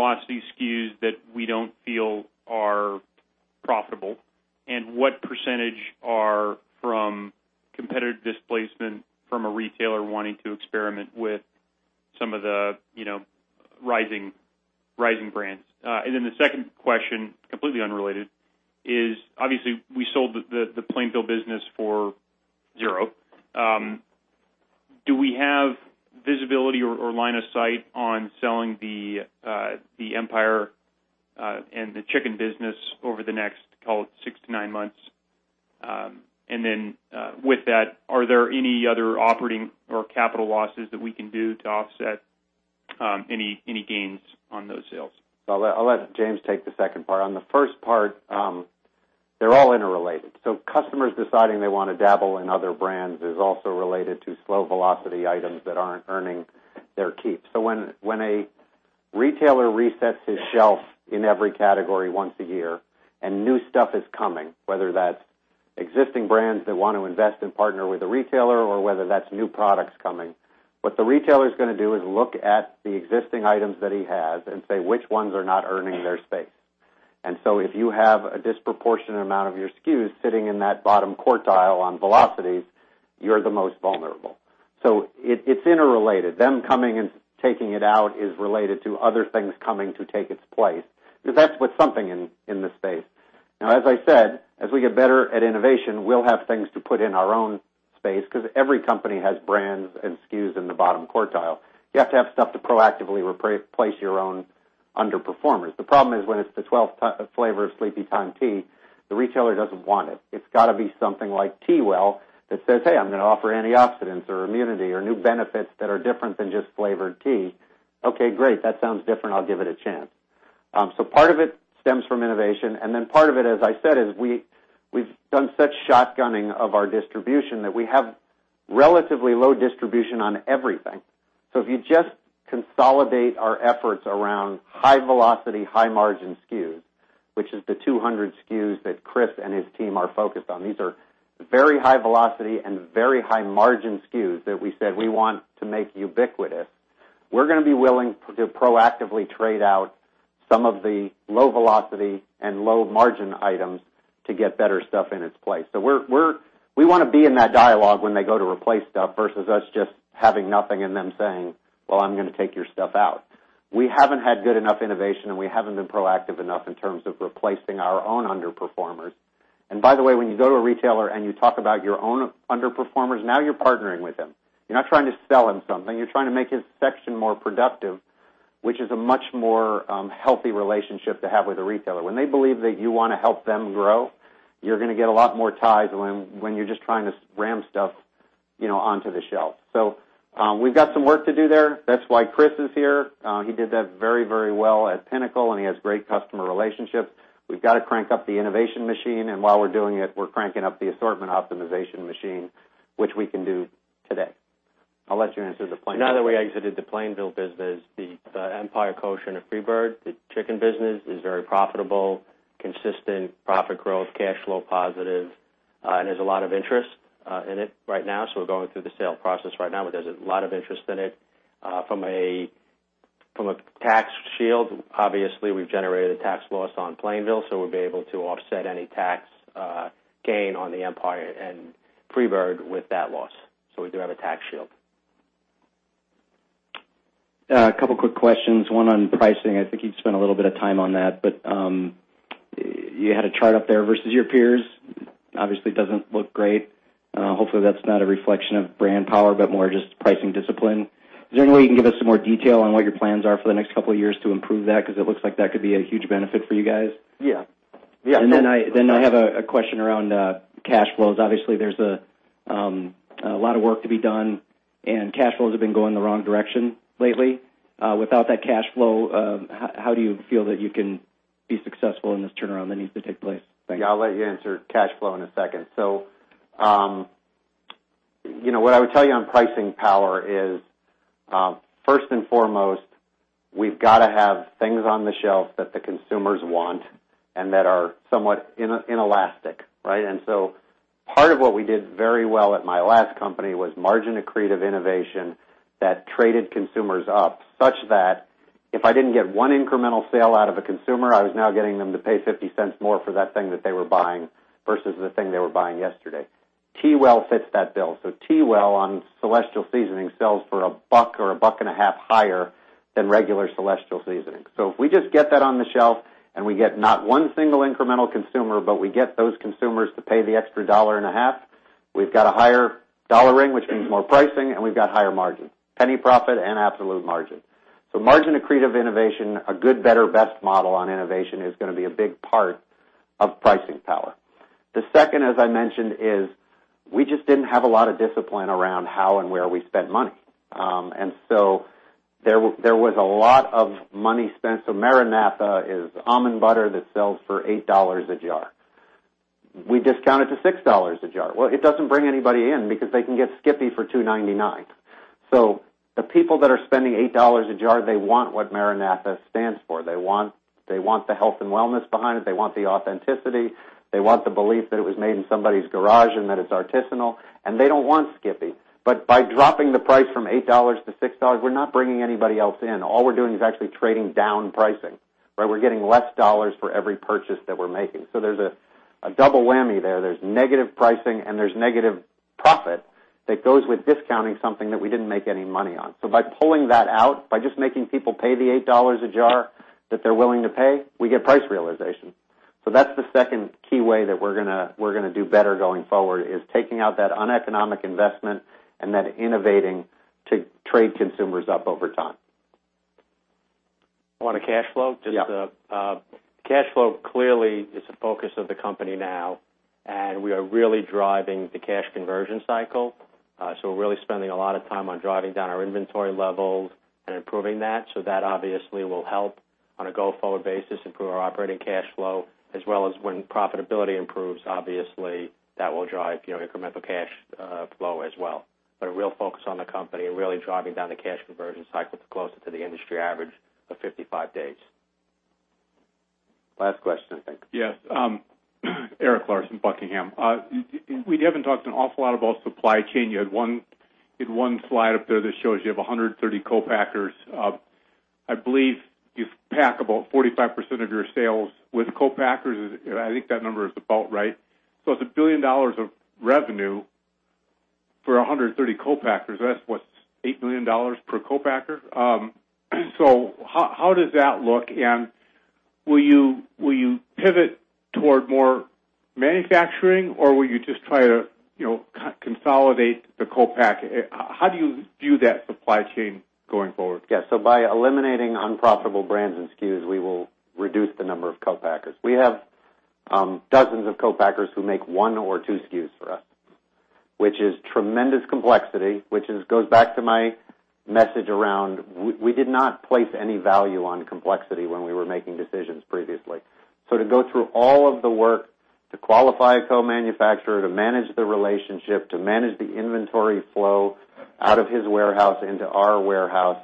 come from low velocity SKUs that we don't feel are profitable? What percentage are from competitive displacement from a retailer wanting to experiment with some of the rising brands? The second question, completely unrelated, is obviously we sold the Plainville business for zero. Do we have visibility or line of sight on selling the Empire and the chicken business over the next, call it six to nine months? With that, are there any other operating or capital losses that we can do to offset any gains on those sales? I'll let James take the second part. On the first part, they're all interrelated. Customers deciding they want to dabble in other brands is also related to slow velocity items that aren't earning their keep. When a retailer resets his shelf in every category once a year and new stuff is coming, whether that's existing brands that want to invest and partner with a retailer or whether that's new products coming, what the retailer's gonna do is look at the existing items that he has and say which ones are not earning their space. If you have a disproportionate amount of your SKUs sitting in that bottom quartile on velocities, you're the most vulnerable. It's interrelated. Them coming and taking it out is related to other things coming to take its place, because that's put something in the space. As I said, as we get better at innovation, we'll have things to put in our own space because every company has brands and SKUs in the bottom quartile. You have to have stuff to proactively replace your own underperformers. The problem is when it's the 12th flavor of Sleepytime tea, the retailer doesn't want it. It's got to be something like TeaWell that says, "Hey, I'm gonna offer antioxidants or immunity or new benefits that are different than just flavored tea." "Okay, great. That sounds different. I'll give it a chance." Part of it stems from innovation, and then part of it, as I said, is we've done such shotgunning of our distribution that we have relatively low distribution on everything. If you just consolidate our efforts around high velocity, high margin SKUs, which is the 200 SKUs that Chris and his team are focused on, these are very high velocity and very high margin SKUs that we said we want to make ubiquitous. We're gonna be willing to proactively trade out some of the low velocity and low margin items to get better stuff in its place. We want to be in that dialogue when they go to replace stuff versus us just having nothing and them saying, "Well, I'm gonna take your stuff out." We haven't had good enough innovation, and we haven't been proactive enough in terms of replacing our own underperformers. By the way, when you go to a retailer and you talk about your own underperformers, now you're partnering with them. You're not trying to sell him something. You're trying to make his section more productive, which is a much more healthy relationship to have with a retailer. When they believe that you want to help them grow, you're gonna get a lot more ties than when you're just trying to ram stuff onto the shelf. We've got some work to do there. That's why Chris is here. He did that very, very well at Pinnacle, and he has great customer relationships. We've got to crank up the innovation machine, and while we're doing it, we're cranking up the assortment optimization machine, which we can do today. I'll let you answer the Plainville question. Now that we exited the Plainville business, the Empire Kosher and the FreeBird, the chicken business, is very profitable, consistent profit growth, cash flow positive, and there's a lot of interest in it right now. We're going through the sale process right now, but there's a lot of interest in it. From a tax shield, obviously, we've generated a tax loss on Plainville, so we'll be able to offset any tax gain on the Empire and FreeBird with that loss. We do have a tax shield. A couple of quick questions, one on pricing. I think you'd spent a little bit of time on that, but you had a chart up there versus your peers. Obviously, it doesn't look great. Hopefully, that's not a reflection of brand power, but more just pricing discipline. Is there any way you can give us some more detail on what your plans are for the next couple of years to improve that? It looks like that could be a huge benefit for you guys. Yeah. I have a question around cash flows. Obviously, there's a lot of work to be done, and cash flows have been going the wrong direction lately. Without that cash flow, how do you feel that you can be successful in this turnaround that needs to take place? Thank you. Yeah, I'll let you answer cash flow in a second. What I would tell you on pricing power is, first and foremost, we've got to have things on the shelf that the consumers want and that are somewhat inelastic, right? Part of what we did very well at my last company was margin-accretive innovation that traded consumers up, such that if I didn't get one incremental sale out of a consumer, I was now getting them to pay $0.50 more for that thing that they were buying versus the thing they were buying yesterday. TeaWell fits that bill. TeaWell on Celestial Seasonings sells for $1 or $1.50 higher than regular Celestial Seasonings. If we just get that on the shelf and we get not one single incremental consumer, but we get those consumers to pay the extra $1.50, we've got a higher dollar ring, which means more pricing, and we've got higher margin, penny profit and absolute margin. Margin-accretive innovation, a good, better, best model on innovation is going to be a big part of pricing power. The second, as I mentioned, is we just didn't have a lot of discipline around how and where we spent money. There was a lot of money spent. MaraNatha is almond butter that sells for $8 a jar. We discount it to $6 a jar. Well, it doesn't bring anybody in because they can get Skippy for $2.99. The people that are spending $8 a jar, they want what MaraNatha stands for. They want the health and wellness behind it. They want the authenticity. They want the belief that it was made in somebody's garage and that it's artisanal, and they don't want Skippy. By dropping the price from $8 to $6, we're not bringing anybody else in. All we're doing is actually trading down pricing. We're getting less dollars for every purchase that we're making. There's a double whammy there. There's negative pricing and there's negative profit that goes with discounting something that we didn't make any money on. By pulling that out, by just making people pay the $8 a jar that they're willing to pay, we get price realization. That's the second key way that we're going to do better going forward, is taking out that uneconomic investment and then innovating to trade consumers up over time. On to cash flow? Yeah. Cash flow clearly is the focus of the company now, and we are really driving the cash conversion cycle. We're really spending a lot of time on driving down our inventory levels and improving that. That obviously will help on a go-forward basis, improve our operating cash flow as well as when profitability improves, obviously, that will drive incremental cash flow as well. A real focus on the company and really driving down the cash conversion cycle to closer to the industry average of 55 days. Last question, I think. Yes. Eric Larson, Buckingham. We haven't talked an awful lot about supply chain. You had one slide up there that shows you have 130 co-packers. I believe you pack about 45% of your sales with co-packers. I think that number is about right. It's $1 billion of revenue for 130 co-packers. That's what, $8 million per co-packer? How does that look, and will you pivot toward more manufacturing, or will you just try to consolidate the co-packer? How do you view that supply chain going forward? Yes. By eliminating unprofitable brands and SKUs, we will reduce the number of co-packers. We have dozens of co-packers who make one or two SKUs for us, which is tremendous complexity, which goes back to my message around we did not place any value on complexity when we were making decisions previously. To go through all of the work to qualify a co-manufacturer, to manage the relationship, to manage the inventory flow out of his warehouse into our warehouse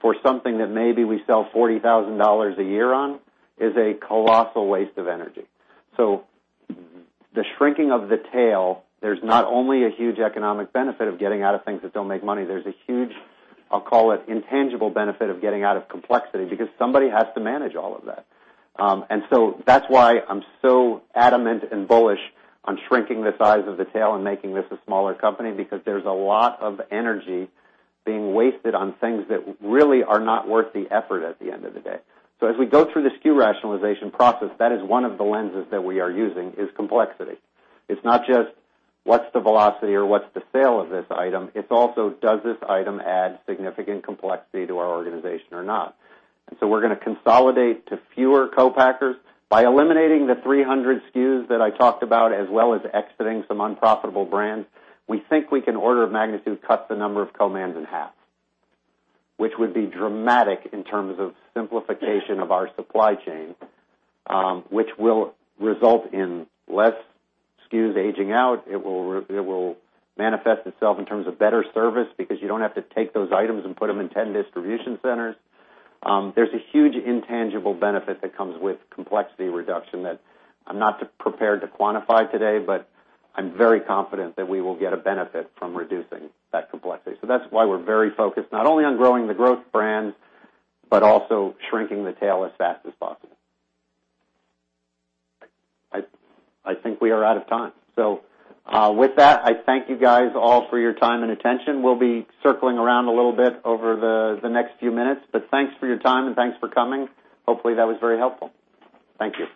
for something that maybe we sell $40,000 a year on, is a colossal waste of energy. The shrinking of the tail, there's not only a huge economic benefit of getting out of things that don't make money, there's a huge, I'll call it, intangible benefit of getting out of complexity because somebody has to manage all of that. That's why I'm so adamant and bullish on shrinking the size of the tail and making this a smaller company, because there's a lot of energy being wasted on things that really are not worth the effort at the end of the day. As we go through the SKU rationalization process, that is one of the lenses that we are using, is complexity. It's not just what's the velocity or what's the sale of this item. It's also, does this item add significant complexity to our organization or not? We're going to consolidate to fewer co-packers. By eliminating the 300 SKUs that I talked about, as well as exiting some unprofitable brands, we think we can order of magnitude cut the number of co-mans in half. Which would be dramatic in terms of simplification of our supply chain, which will result in less SKUs aging out. It will manifest itself in terms of better service because you don't have to take those items and put them in 10 distribution centers. There's a huge intangible benefit that comes with complexity reduction that I'm not prepared to quantify today, but I'm very confident that we will get a benefit from reducing that complexity. That's why we're very focused, not only on growing the growth brands, but also shrinking the tail as fast as possible. I think we are out of time. With that, I thank you guys all for your time and attention. We'll be circling around a little bit over the next few minutes, but thanks for your time and thanks for coming. Hopefully, that was very helpful. Thank you.